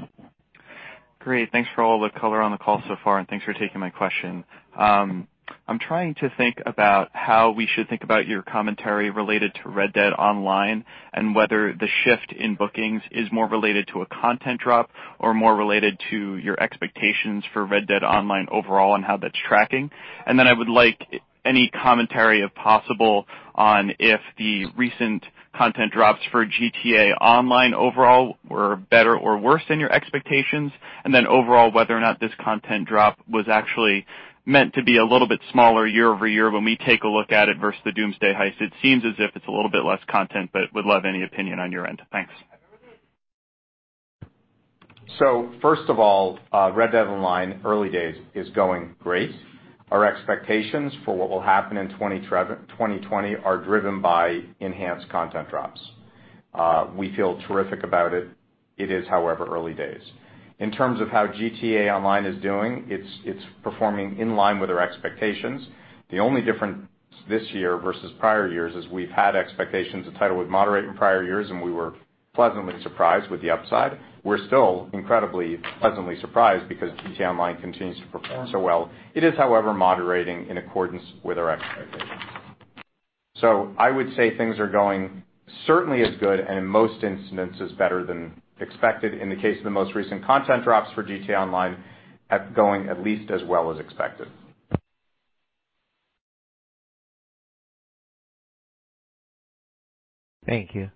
Great. Thanks for all the color on the call so far thanks for taking my question. I'm trying to think about how we should think about your commentary related to Red Dead Online and whether the shift in bookings is more related to a content drop or more related to your expectations for Red Dead Online overall and how that's tracking. I would like any commentary, if possible, on if the recent content drops for GTA Online overall were better or worse than your expectations, and then overall, whether or not this content drop was actually meant to be a little bit smaller year-over-year when we take a look at it versus The Doomsday Heist it seems as if it's a little bit less content would love any opinion on your end. Thanks. First of all, Red Dead Online, early days, is going great. Our expectations for what will happen in 2020 are driven by enhanced content drops. We feel terrific about it. It is, however, early days. In terms of how GTA Online is doing, it's performing in line with our expectations. The only difference this year versus prior years is we've had expectations the title would moderate in prior years, and we were pleasantly surprised with the upside. We're still incredibly pleasantly surprised because GTA Online continues to perform so well. It is, however, moderating in accordance with our expectations. I would say things are going certainly as good and in most instances better than expected in the case of the most recent content drops for GTA Online, going at least as well as expected. Thank you.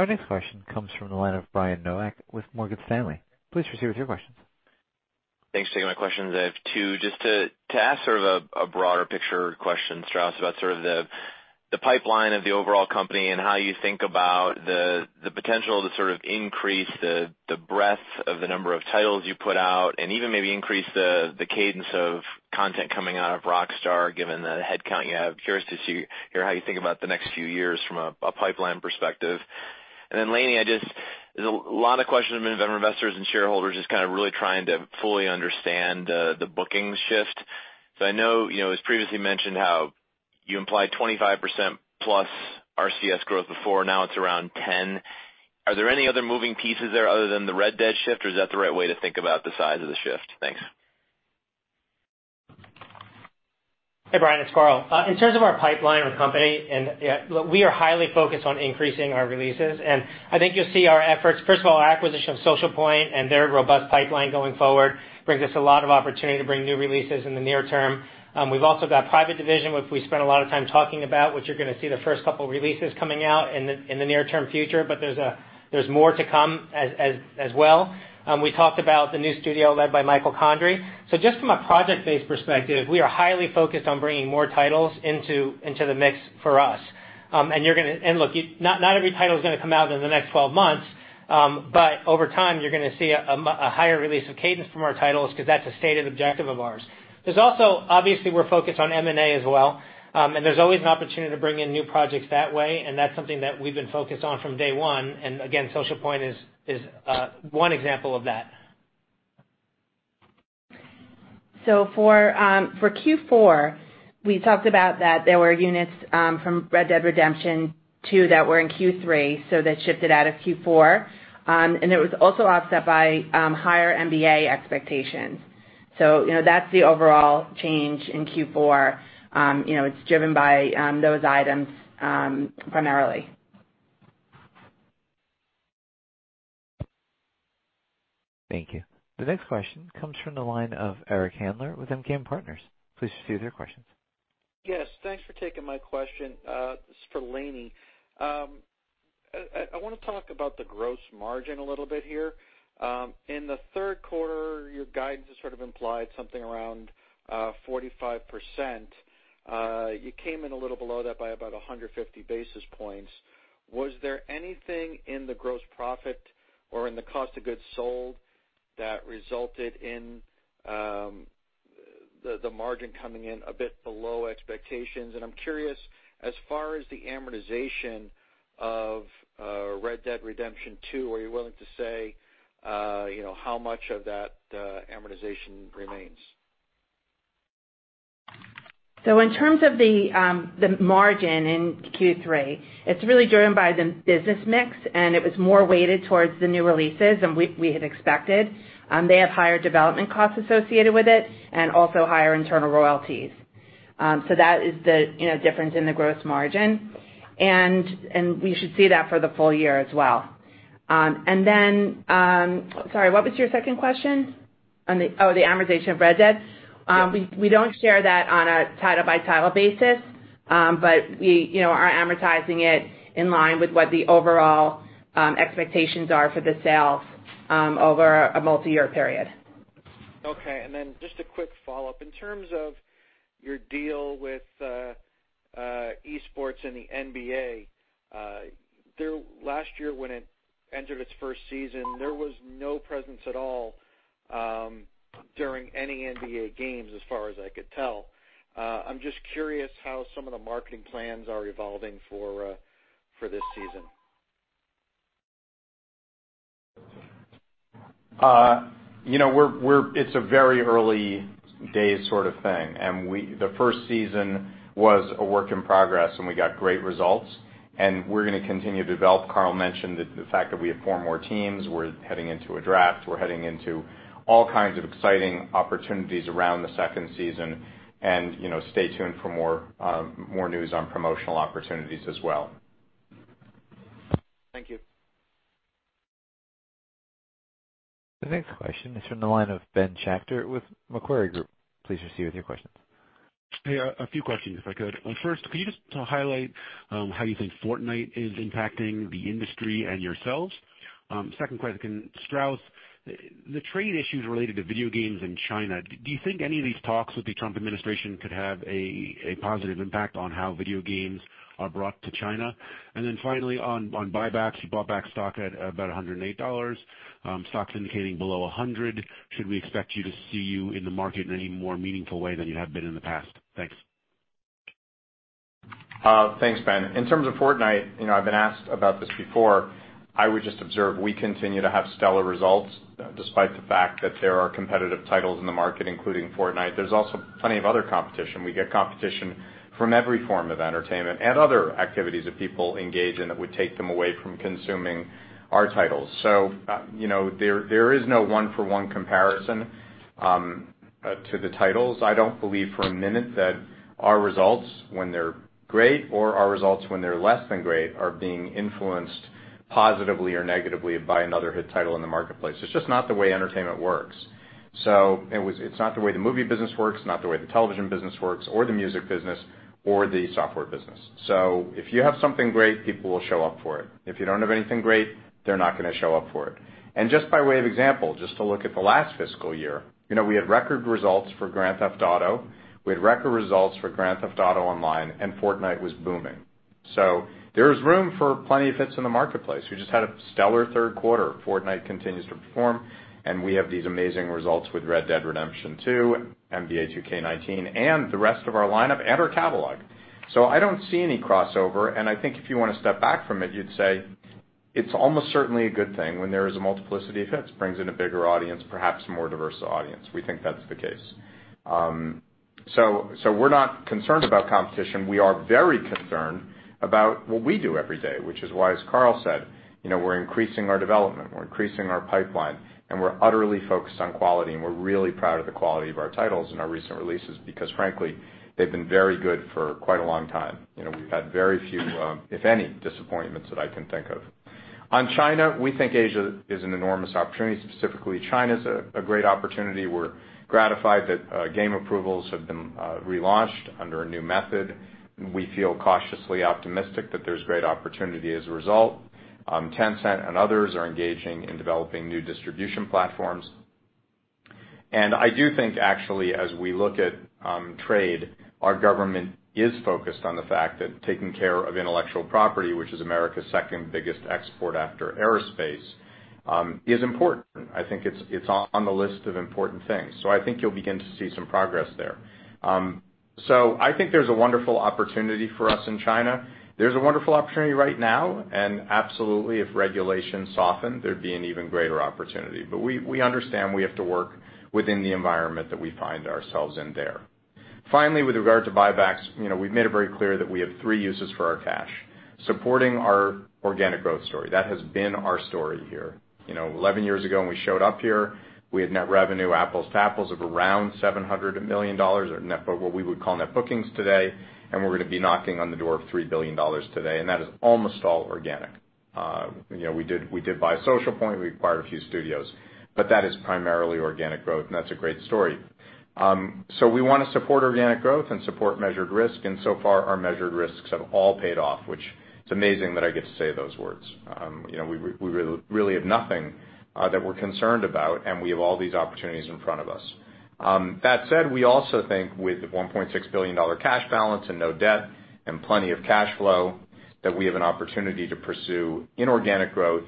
Our next question comes from the line of Brian Nowak with Morgan Stanley. Please proceed with your questions. Thanks for taking my questions i have two. Just to ask sort of a broader picture question, Strauss, about the pipeline of the overall company and how you think about the potential to sort of increase the breadth of the number of titles you put out, and even maybe increase the cadence of content coming out of Rockstar, given the headcount you have curious to hear how you think about the next few years from a pipeline perspective. Then Lainie, there's a lot of questions from investors and shareholders just kind of really trying to fully understand the booking shift. I know, as previously mentioned, how you implied +25% RCS growth before, now it's around +10%. Are there any other moving pieces there other than the Red Dead shift, or is that the right way to think about the size of the shift? Thanks. Hey, Brian, it's Karl. In terms of our pipeline or company, we are highly focused on increasing our releases, I think you'll see our efforts first of all, our acquisition of Socialpoint and their robust pipeline going forward brings us a lot of opportunity to bring new releases in the near term. We've also got Private Division, which we spent a lot of time talking about, which you're going to see the first couple releases coming out in the near-term future but there's more to come as well. We talked about the new studio led by Michael Condrey. Just from a project-based perspective, we are highly focused on bringing more titles into the mix for us. Look, not every title is going to come out in the next 12 months. Over time, you're going to see a higher release of cadence from our titles because that's a stated objective of ours. There's also, obviously, we're focused on M&A as well. There's always an opportunity to bring in new projects that way, and that's something that we've been focused on from day one. Again, Socialpoint is one example of that. For Q4, we talked about that there were units from Red Dead Redemption 2 that were in Q3, that shifted out of Q4. It was also offset by higher NBA expectations. That's the overall change in Q4. It's driven by those items primarily. Thank you. The next question comes from the line of Eric Handler with MKM Partners. Please proceed with your questions. Yes, thanks for taking my question. This is for Lainie. I want to talk about the gross margin a little bit here. In the Q3, your guidance has sort of implied something around 45%. You came in a little below that by about 150 basis points. Was there anything in the gross profit or in the cost of goods sold that resulted in the margin coming in a bit below expectations? I'm curious, as far as the amortization of Red Dead Redemption 2, are you willing to say how much of that amortization remains? In terms of the margin in Q3, it's really driven by the business mix, and it was more weighted towards the new releases than we had expected. They have higher development costs associated with it and also higher internal royalties. That is the difference in the gross margin. We should see that for the full year as well. Sorry, what was your second question? Oh, the amortization of Red Dead. Yes. We don't share that on a title-by-title basis. We are amortizing it in line with what the overall expectations are for the sales over a multi-year period. Okay. Just a quick follow-up. In terms of your deal with esports and the NBA, last year when it entered its first season, there was no presence at all during any NBA games, as far as I could tell. I'm just curious how some of the marketing plans are evolving for this season. It's a very early days sort of thing. The first season was a work in progress, and we got great results. We're going to continue to develop Karl mentioned the fact that we have four more teams. We're heading into a draft. We're heading into all kinds of exciting opportunities around the second season. Stay tuned for more news on promotional opportunities as well. Thank you. The next question is from the line of Ben Schachter with Macquarie Group. Please proceed with your questions. Hey, a few questions, if I could first, could you just highlight how you think Fortnite is impacting the industry and yourselves? Second question, Strauss, the trade issues related to video games in China, do you think any of these talks with the Trump administration could have a positive impact on how video games are brought to China? Finally, on buybacks, you bought back stock at about $108. Stock's indicating below $100. Should we expect you to see you in the market in any more meaningful way than you have been in the past? Thanks. Thanks, Ben. In terms of Fortnite, I've been asked about this before. I would just observe we continue to have stellar results despite the fact that there are competitive titles in the market, including Fortnite there's also plenty of other competition we get competition from every form of entertainment and other activities that people engage in that would take them away from consuming our titles. There is no one-for-one comparison to the titles i don't believe for a minute that our results when they're great or our results when they're less than great are being influenced positively or negatively by another hit title in the marketplace it's just not the way entertainment works. It's not the way the movie business works, not the way the television business works, or the music business, or the software business. If you have something great, people will show up for it. If you don't have anything great, they're not going to show up for it. Just by way of example, just to look at the last fiscal year, we had record results for Grand Theft Auto, we had record results for Grand Theft Auto Online, and Fortnite was booming. There's room for plenty of hits in the marketplace we just had a stellar Q3. Fortnite continues to perform, and we have these amazing results with Red Dead Redemption 2, NBA 2K19, and the rest of our lineup and our catalog. I don't see any crossover, and I think if you want to step back from it, you'd say it's almost certainly a good thing when there is a multiplicity of hits. It brings in a bigger audience, perhaps a more diverse audience. We think that's the case. We're not concerned about competition we are very concerned about what we do every day, which is why, as Karl said, we're increasing our development, we're increasing our pipeline, and we're utterly focused on quality, and we're really proud of the quality of our titles and our recent releases, because frankly, they've been very good for quite a long time. We've had very few, if any, disappointments that I can think of. On China, we think Asia is an enormous opportunity specifically, China's a great opportunity we're gratified that game approvals have been relaunched under a new method. We feel cautiously optimistic that there's great opportunity as a result. Tencent and others are engaging in developing new distribution platforms. I do think, actually, as we look at trade, our government is focused on the fact that taking care of intellectual property, which is America's second-biggest export after aerospace, is important. I think it's on the list of important things. I think you'll begin to see some progress there. I think there's a wonderful opportunity for us in China. There's a wonderful opportunity right now, and absolutely, if regulations soften, there'd be an even greater opportunity we understand we have to work within the environment that we find ourselves in there. Finally, with regard to buybacks, we've made it very clear that we have three uses for our cash. Supporting our organic growth story that has been our story here. 11 years ago, when we showed up here, we had net revenue apples to apples of around $700 million or what we would call net bookings today, and we're going to be knocking on the door of $3 billion today, and that is almost all organic. We did buy Socialpoint, we acquired a few studios, but that is primarily organic growth, and that's a great story. We want to support organic growth and support measured risk, and so far, our measured risks have all paid off, which is amazing that I get to say those words. We really have nothing that we're concerned about, and we have all these opportunities in front of us. That said, we also think with a $1.6 billion cash balance and no debt and plenty of cash flow, that we have an opportunity to pursue inorganic growth.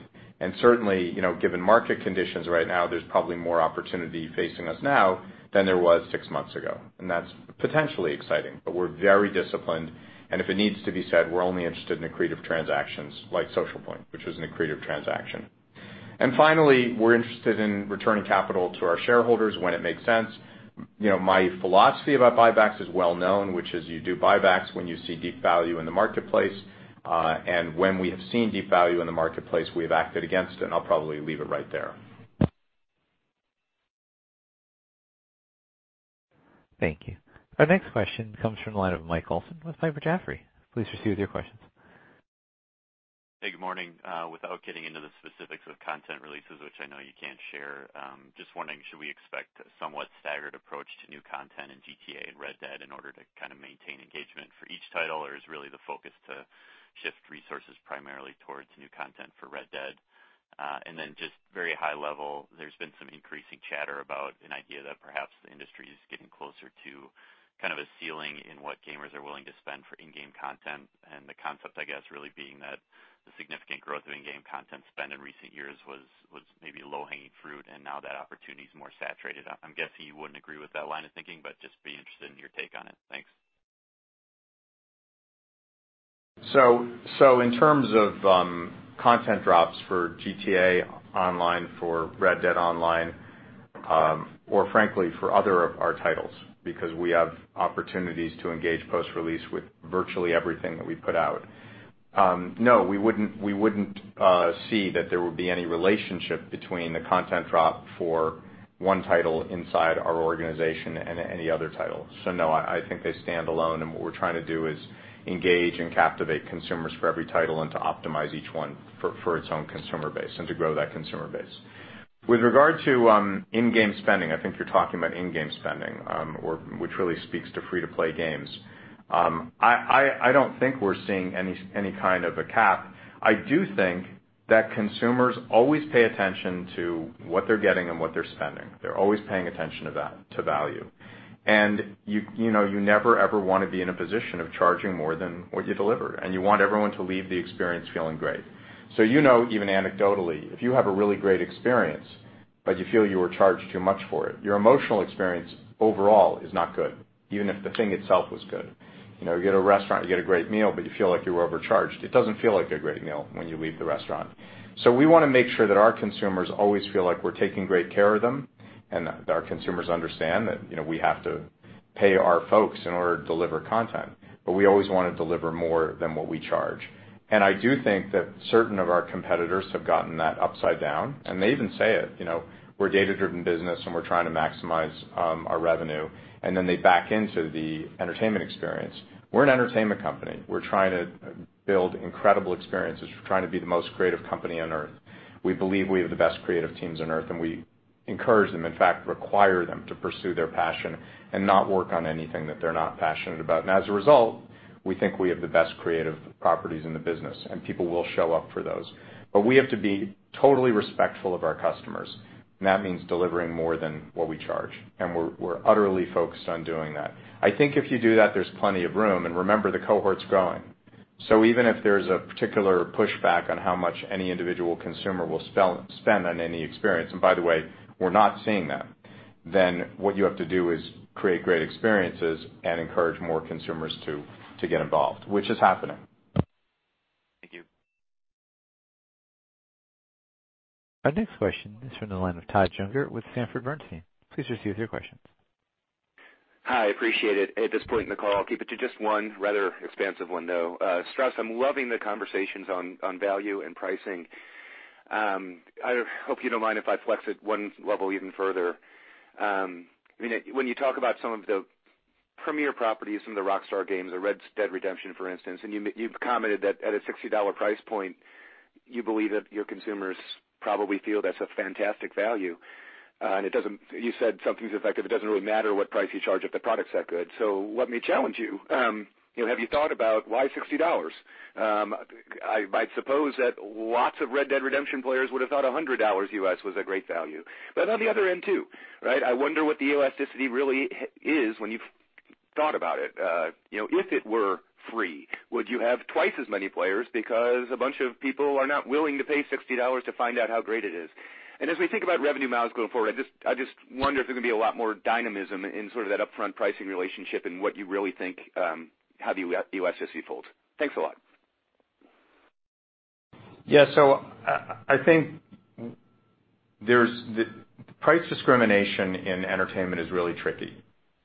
Certainly, given market conditions right now, there's probably more opportunity facing us now than there was six months ago that's potentially exciting, but we're very disciplined, and if it needs to be said, we're only interested in accretive transactions like Socialpoint, which was an accretive transaction. Finally, we're interested in returning capital to our shareholders when it makes sense. My philosophy about buybacks is well known, which is you do buybacks when you see deep value in the marketplace. When we have seen deep value in the marketplace, we've acted against it, and I'll probably leave it right there. Thank you. Our next question comes from the line of Mike Olson with Piper Jaffray. Please proceed with your questions. Hey, good morning. Without getting into the specifics of content releases, which I know you can't share, just wondering, should we expect a somewhat staggered approach to new content in GTA and Red Dead in order to kind of maintain engagement for each title? Is really the focus to shift resources primarily towards new content for Red Dead? Then just very high level, there's been some increasing chatter about an idea that perhaps the industry is getting closer to kind of a ceiling in what gamers are willing to spend for in-game content and the concept, I guess, really being that the significant growth of in-game content spend in recent years was maybe low-hanging fruit, and now that opportunity is more saturated i'm guessing you wouldn't agree with that line of thinking, but just be interested in your take on it. Thanks. In terms of content drops for GTA Online, for Red Dead Online, or frankly, for other of our titles, because we have opportunities to engage post-release with virtually everything that we put out. We wouldn't see that there would be any relationship between the content drop for one title inside our organization and any other title. I think they stand alone and what we're trying to do is engage and captivate consumers for every title and to optimize each one for its own consumer base and to grow that consumer base. With regard to in-game spending, I think you're talking about in-game spending which really speaks to free-to-play games. I don't think we're seeing any kind of a cap. I do think that consumers always pay attention to what they're getting and what they're spending, they're always paying attention to value. And, you never ever want to be in a position of charging more than what you deliver and you want everyone to leave the experience feeling great. You know, even anecdotally, if you have a really great experience, but you feel you were charged too much for it, your emotional experience overall is not good, even if the thing itself was good. You get a restaurant, you get a great meal, but you feel like you were overcharged. It doesn't feel like a great meal when you leave the restaurant. We want to make sure that our consumers always feel like we're taking great care of them and that our consumers understand that we have to pay our folks in order to deliver content. We always want to deliver more than what we charge. I do think that certain of our competitors have gotten that upside down, and they even say it, we're a data-driven business, and we're trying to maximize our revenue, and then they back into the entertainment experience. We're an entertainment company, we're trying to build incredible experiences, we're trying to be the most creative company on earth. We believe we have the best creative teams on earth, and we encourage them, in fact, require them to pursue their passion and not work on anything that they're not passionate about as a result, we think we have the best creative properties in the business, and people will show up for those. We have to be totally respectful of our customers, and that means delivering more than what we charge. We're utterly focused on doing that. I think if you do that, there's plenty of room, and remember, the cohort's growing. Even if there's a particular pushback on how much any individual consumer will spend on any experience, and by the way, we're not seeing that, what you have to do is create great experiences and encourage more consumers to get involved, which is happening. Thank you. Our next question is from the line of Todd Juenger with Sanford C. Bernstein. Please proceed with your questions. Hi, appreciate it. At this point in the call, I'll keep it to just one rather expansive one, though. Strauss, I'm loving the conversations on value and pricing. I hope you don't mind if I flex it one level even further. When you talk about some of the premier properties, some of the Rockstar Games, Red Dead Redemption, for instance, you've commented that at a $60 price point, you believe that your consumers probably feel that's a fantastic value. You said something to the effect of it doesn't really matter what price you charge if the product's that good. Let me challenge you. Have you thought about why $60? I suppose that lots of Red Dead Redemption players would have thought $100 US was a great value. On the other end, too, I wonder what the elasticity really is when you've thought about it. If it were free, would you have twice as many players because a bunch of people are not willing to pay $60 to find out how great it is? As we think about revenue miles going forward, I just wonder if there can be a lot more dynamism in sort of that upfront pricing relationship and what you really think, how the elasticity folds. Thanks a lot. Yeah. I think price discrimination in entertainment is really tricky.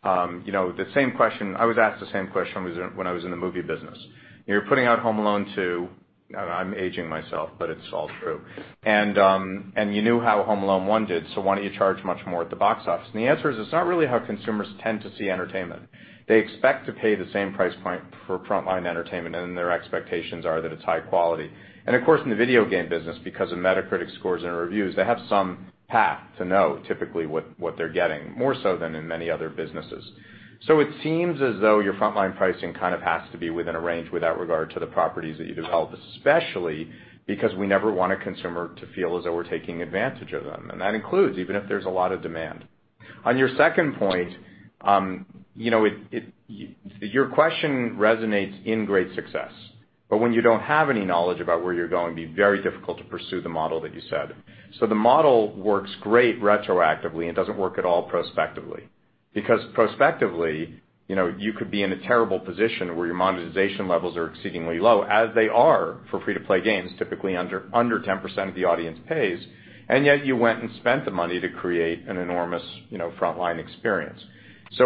I was asked the same question when I was in the movie business. You're putting out "Home Alone 2," I'm aging myself, but it's all true. You knew how "Home Alone 1" did, why don't you charge much more at the box office? The answer is it's not really how consumers tend to see entertainment. They expect to pay the same price point for frontline entertainment, and their expectations are that it's high quality. Of course, in the video game business, because of Metacritic scores and reviews, they have some path to know typically what they're getting, more so than in many other businesses. It seems as though your frontline pricing kind of has to be within a range without regard to the properties that you develop, especially because we never want a consumer to feel as though we're taking advantage of them that includes even if there's a lot of demand. On your second point, your question resonates in great success. When you don't have any knowledge about where you're going, it'd be very difficult to pursue the model that you said. The model works great retroactively and doesn't work at all prospectively. Prospectively, you could be in a terrible position where your monetization levels are exceedingly low as they are for free-to-play games, typically under 10% of the audience pays, and yet you went and spent the money to create an enormous frontline experience.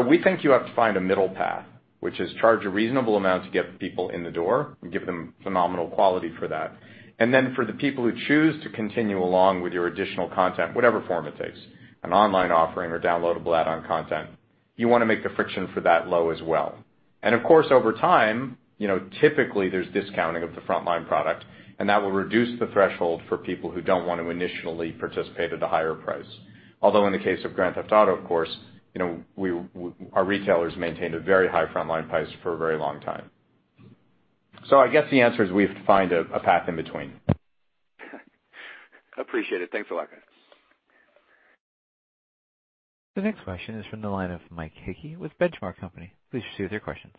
We think you have to find a middle path, which is charge a reasonable amount to get people in the door and give them phenomenal quality for that. Then for the people who choose to continue along with your additional content, whatever form it takes, an online offering or downloadable add-on content, you want to make the friction for that low as well. Of course, over time, typically there's discounting of the frontline product, and that will reduce the threshold for people who don't want to initially participate at a higher price. Although in the case of Grand Theft Auto, of course, our retailers maintained a very high frontline price for a very long time. I guess the answer is we have to find a path in between. Appreciate it. Thanks a lot, guys. The next question is from the line of Mike Hickey with Benchmark Company. Please proceed with your questions.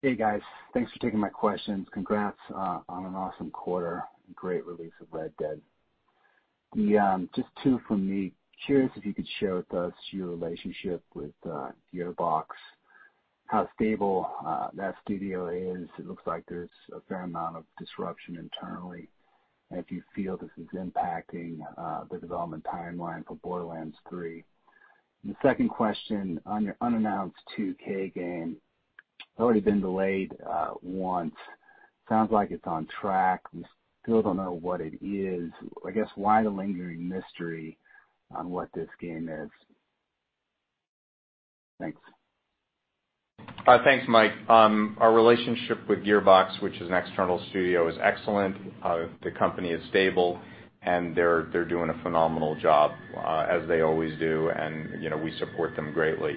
Hey, guys. Thanks for taking my questions congrats on an awesome quarter. Great release of Red Dead. Just two from me. Curious if you could share with us your relationship with Gearbox, how stable that studio is. It looks like there's a fair amount of disruption internally, and if you feel this is impacting the development timeline for Borderlands 3. The second question, on your unannounced 2K game, it's already been delayed once. Sounds like it's on track. We still don't know what it is. I guess, why the lingering mystery on what this game is? Thanks. Thanks, Mike. Our relationship with Gearbox, which is an external studio, is excellent. The company is stable, and they're doing a phenomenal job as they always do and we support them greatly.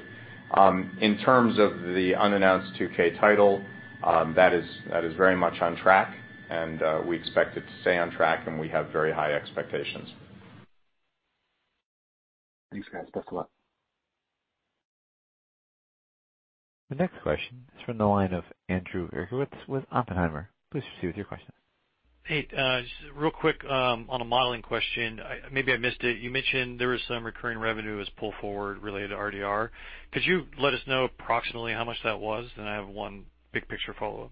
In terms of the unannounced 2K title, that is very much on track, and we expect it to stay on track, and we have very high expectations. Thanks, guys. Best of luck. The next question is from the line of Andrew Uerkwitz with Oppenheimer. Please proceed with your question. Hey, just real quick on a modeling question. Maybe I missed it you mentioned there was some recurring revenue as pull forward related to RDR. Could you let us know approximately how much that was? I have one big picture follow-up.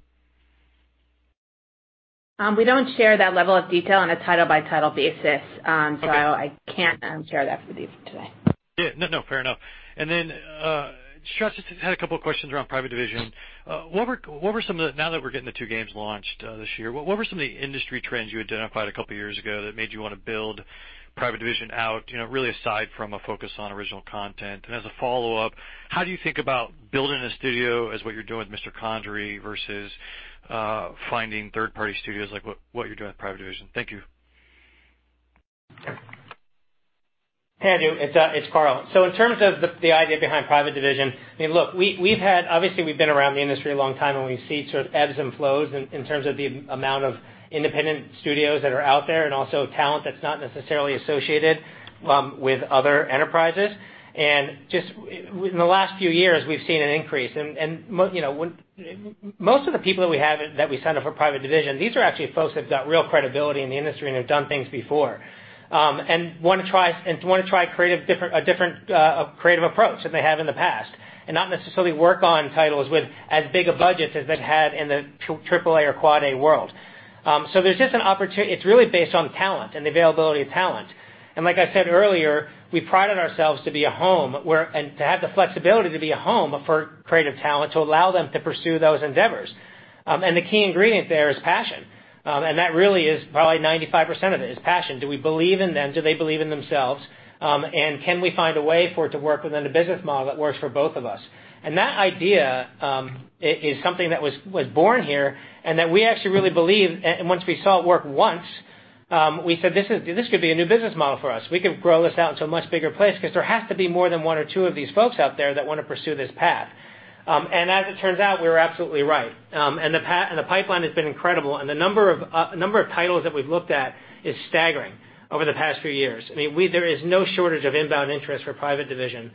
We don't share that level of detail on a title-by-title basis. Okay I can't share that with you today. Yeah. No, fair enough. Strauss, just had a couple questions around Private Division. Now that we're getting the two games launched this year, what were some of the industry trends you identified a couple of years ago that made you want to build Private Division out, really aside from a focus on original content? As a follow-up, how do you think about building a studio as what you're doing with Mr. Condrey versus finding third-party studios like what you're doing with Private Division? Thank you. Hey, Andrew, it's Karl. In terms of the idea behind Private Division, obviously we've been around the industry a long time, and we see ebbs and flows in terms of the amount of independent studios that are out there and also talent that's not necessarily associated with other enterprises. In the last few years, we've seen an increase. Most of the people that we have that we sign up for Private Division, these are actually folks that've got real credibility in the industry and have done things before, and want to try a different creative approach than they have in the past, and not necessarily work on titles with as big a budget as they've had in the AAA or AAAA world. It's really based on talent and the availability of talent. Like I said earlier, we pride ourselves to be a home and to have the flexibility to be a home for creative talent to allow them to pursue those endeavors. The key ingredient there is passion. That really is probably 95% of it, is passion do we believe in them? Do they believe in themselves? Can we find a way for it to work within the business model that works for both of us? That idea is something that was born here, and that we actually really believe and once we saw it work once. We said, "This could be a new business model for us we could grow this out to a much bigger place because there has to be more than one or two of these folks out there that want to pursue this path." As it turns out, we were absolutely right. The pipeline has been incredible, and the number of titles that we've looked at is staggering over the past few years. There is no shortage of inbound interest for Private Division.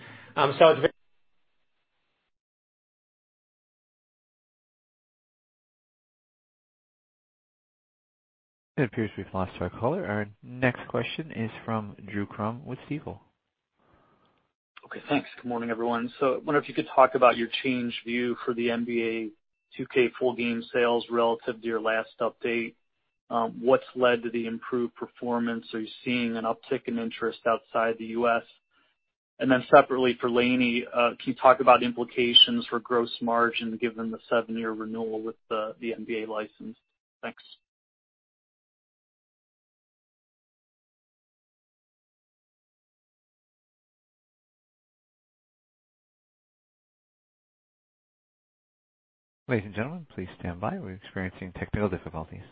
It appears we've lost our caller. Our next question is from Drew Crum with Stifel. Okay, thanks. Good morning, everyone. I wonder if you could talk about your changed view for the NBA 2K full game sales relative to your last update. What's led to the improved performance? Are you seeing an uptick in interest outside the U.S.? Separately for Lainie, can you talk about implications for gross margin given the seven-year renewal with the NBA license? Thanks. Ladies and gentlemen, please stand by we're experiencing technical difficulties.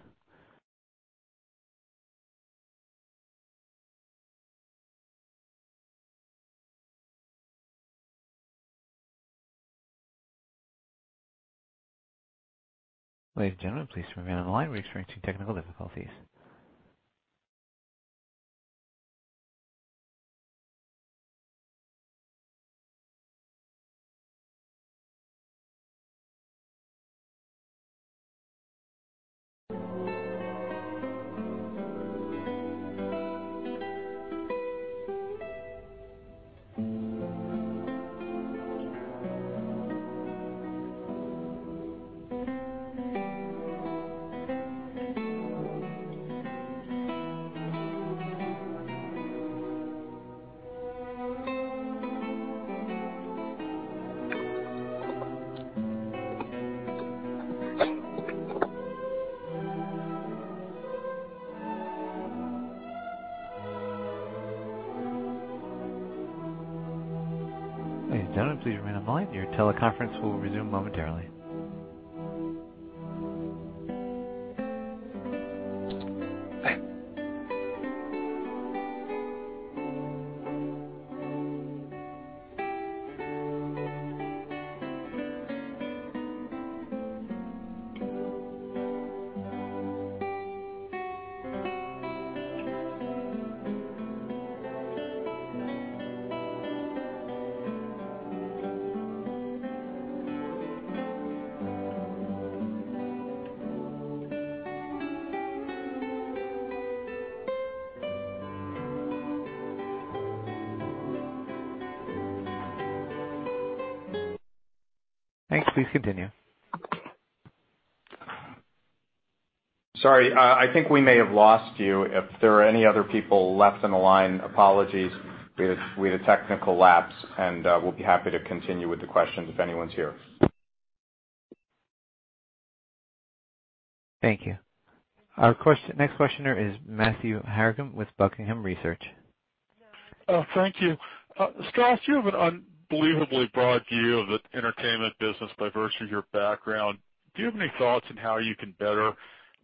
Ladies and gentlemen, please remain on the line we're experiencing technical difficulties. Ladies and gentlemen, please remain on the line. Your teleconference will resume momentarily. Hi. Thanks. Please continue. Sorry, I think we may have lost you. If there are any other people left on the line, apologies. We had a technical lapse, and we'll be happy to continue with the questions if anyone's here. Thank you. Our next questioner is Matthew Harrigan with Buckingham Research. Thank you. Strauss, you have an unbelievably broad view of the entertainment business by virtue of your background. Do you have any thoughts on how you can better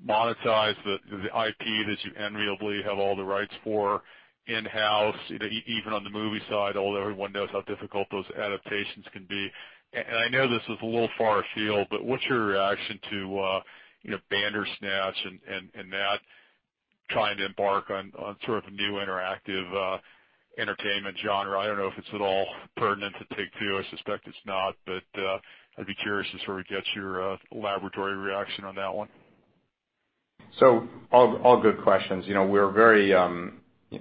monetize the IP that you enviably have all the rights for in-house, even on the movie side, although everyone knows how difficult those adaptations can be. I know this is a little far afield, what's your reaction to Bandersnatch and that trying to embark on sort of a new interactive entertainment genre? I don't know if it's at all pertinent to Take-Two i suspect it's not, but I'd be curious to sort of get your laboratory reaction on that one. All good questions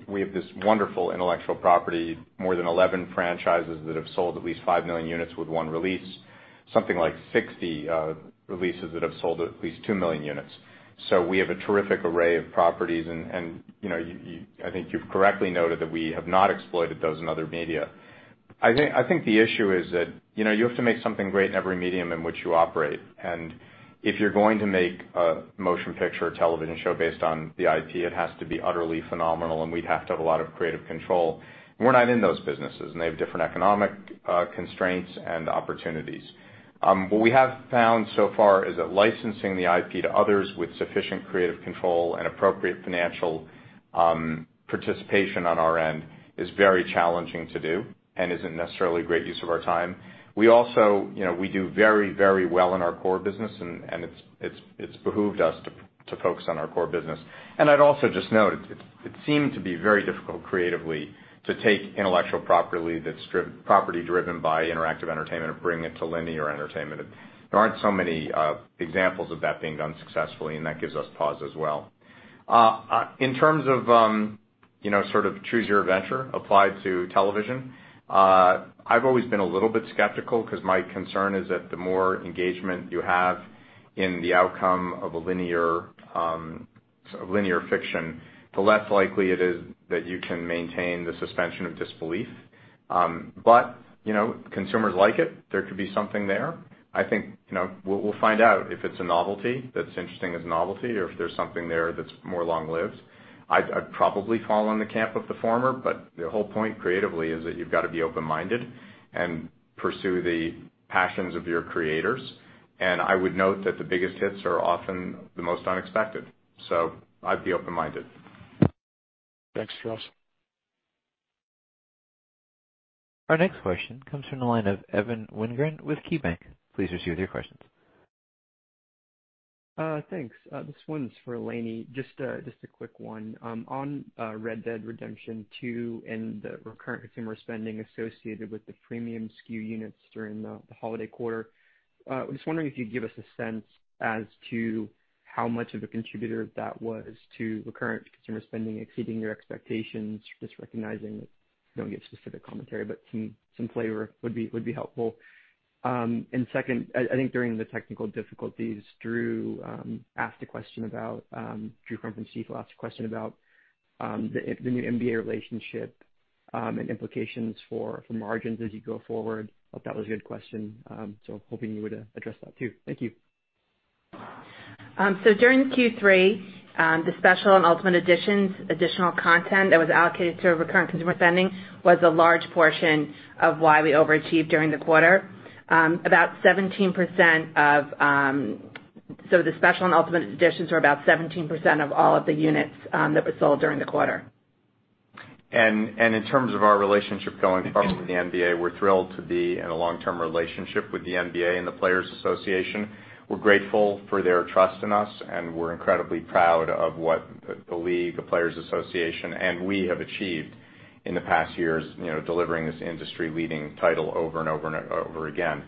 we have this wonderful intellectual property, more than 11 franchises that have sold at least five million units with one release, something like 60 releases that have sold at least two million units. We have a terrific array of properties, I think you've correctly noted that we have not exploited those in other media. I think the issue is that you have to make something great in every medium in which you operate. If you're going to make a motion picture or television show based on the IP, it has to be utterly phenomenal and we'd have to have a lot of creative control. We're not in those businesses, and they have different economic constraints and opportunities. What we have found so far is that licensing the IP to others with sufficient creative control and appropriate financial participation on our end is very challenging to do and isn't necessarily a great use of our time. We do very well in our core business, it's behooved us to focus on our core business. I'd also just note, it seemed to be very difficult creatively to take intellectual property that's property driven by interactive entertainment and bring it to linear entertainment. There aren't so many examples of that being done successfully, and that gives us pause as well. In terms of choose your adventure applied to television, I've always been a little bit skeptical because my concern is that the more engagement you have in the outcome of a linear fiction, the less likely it is that you can maintain the suspension of disbelief. Consumers like it. There could be something there. I think we'll find out if it's a novelty that's interesting as a novelty or if there's something there that's more long-lived. I'd probably fall on the camp of the former, but the whole point creatively is that you've got to be open-minded and pursue the passions of your creators. I would note that the biggest hits are often the most unexpected. I'd be open-minded. Thanks, Strauss. Our next question comes from the line of Evan Wingren with KeyBanc. Please proceed with your questions. Thanks. This one's for Lainie. Just a quick one. On Red Dead Redemption 2 and the recurrent consumer spending associated with the premium SKU units during the holiday quarter, I was just wondering if you'd give us a sense as to how much of a contributor that was to recurrent consumer spending exceeding your expectations, just recognizing that you don't give specific commentary, but some flavor would be helpful. Second, I think during the technical difficulties, Drew from Seaport Global asked a question about the new NBA relationship and implications for margins as you go forward. Thought that was a good question, hoping you would address that too. Thank you. During Q3, the special and ultimate editions additional content that was allocated to recurrent consumer spending was a large portion of why we overachieved during the quarter. The special and ultimate editions were about 17% of all of the units that were sold during the quarter. In terms of our relationship going forward with the NBA, we're thrilled to be in a long-term relationship with the NBA and the Players Association. We're grateful for their trust in us, and we're incredibly proud of what the League, the Players Association, and we have achieved in the past years delivering this industry-leading title over and over again.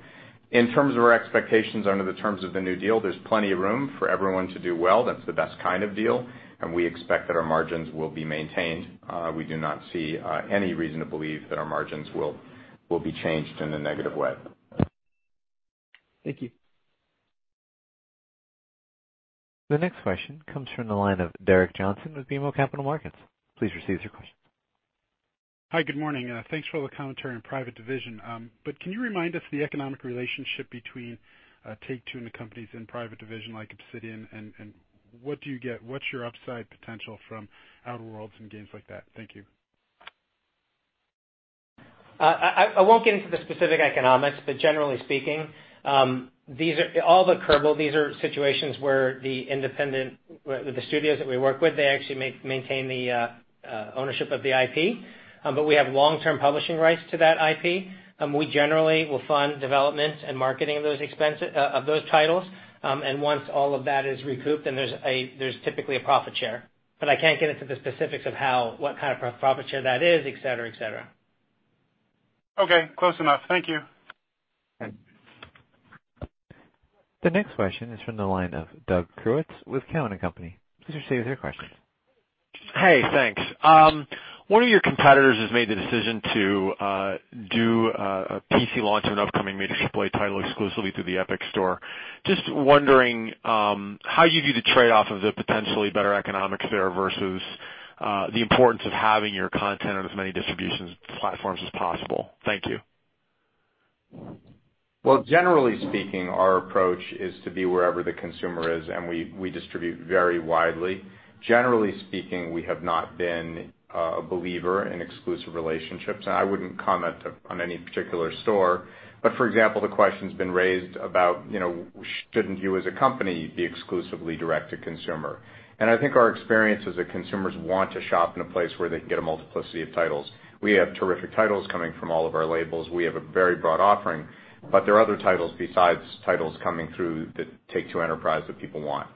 In terms of our expectations under the terms of the new deal, there's plenty of room for everyone to do well that's the best kind of deal, and we expect that our margins will be maintained. We do not see any reason to believe that our margins will be changed in a negative way. Thank you. The next question comes from the line of Gerrick Johnson with BMO Capital Markets. Please proceed with your question. Hi, good morning. Thanks for all the commentary on Private Division. Can you remind us the economic relationship between Take-Two and the companies in Private Division like Obsidian, and what do you get? What's your upside potential from Outer Worlds and games like that? Thank you. I won't get into the specific economics, generally speaking, all but Kerbal, these are situations where the studios that we work with, they actually maintain the ownership of the IP. We have long-term publishing rights to that IP. We generally will fund development and marketing of those titles. Once all of that is recouped, there's typically a profit share. I can't get into the specifics of what kind of profit share that is, et cetera. Okay, close enough. Thank you. Okay. The next question is from the line of Doug Creutz with Cowen and Company. Please proceed with your question. Hey, thanks. One of your competitors has made the decision to do a PC launch of an upcoming major AAA title exclusively through the Epic Store. Just wondering how you view the trade-off of the potentially better economics there versus the importance of having your content on as many distribution platforms as possible. Thank you. Generally speaking, our approach is to be wherever the consumer is, and we distribute very widely. Generally speaking, we have not been a believer in exclusive relationships i wouldn't comment on any particular store. For example, the question's been raised about shouldn't you as a company be exclusively direct to consumer. I think our experience is that consumers want to shop in a place where they can get a multiplicity of titles. We have terrific titles coming from all of our labels we have a very broad offering but there are other titles besides titles coming through the Take-Two enterprise that people want.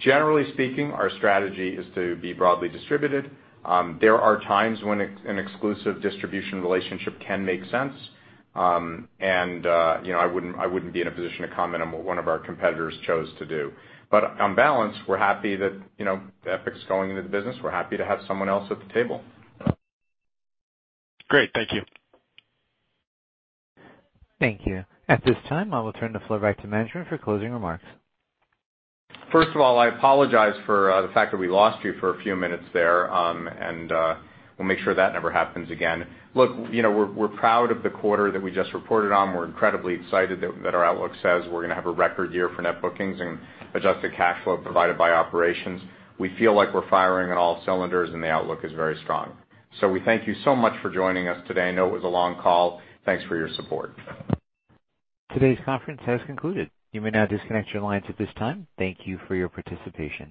Generally speaking, our strategy is to be broadly distributed. There are times when an exclusive distribution relationship can make sense. I wouldn't be in a position to comment on what one of our competitors chose to do. On balance, we're happy that Epic's going into the business we're happy to have someone else at the table. Great. Thank you. Thank you. At this time, I will turn the floor back to management for closing remarks. First of all, I apologize for the fact that we lost you for a few minutes there, and we'll make sure that never happens again. Look, we're proud of the quarter that we just reported on we're incredibly excited that our outlook says we're going to have a record year for net bookings and adjusted cash flow provided by operations. We feel like we're firing on all cylinders, and the outlook is very strong. We thank you so much for joining us today i know it was a long call. Thanks for your support. Today's conference has concluded. You may now disconnect your lines at this time. Thank you for your participation.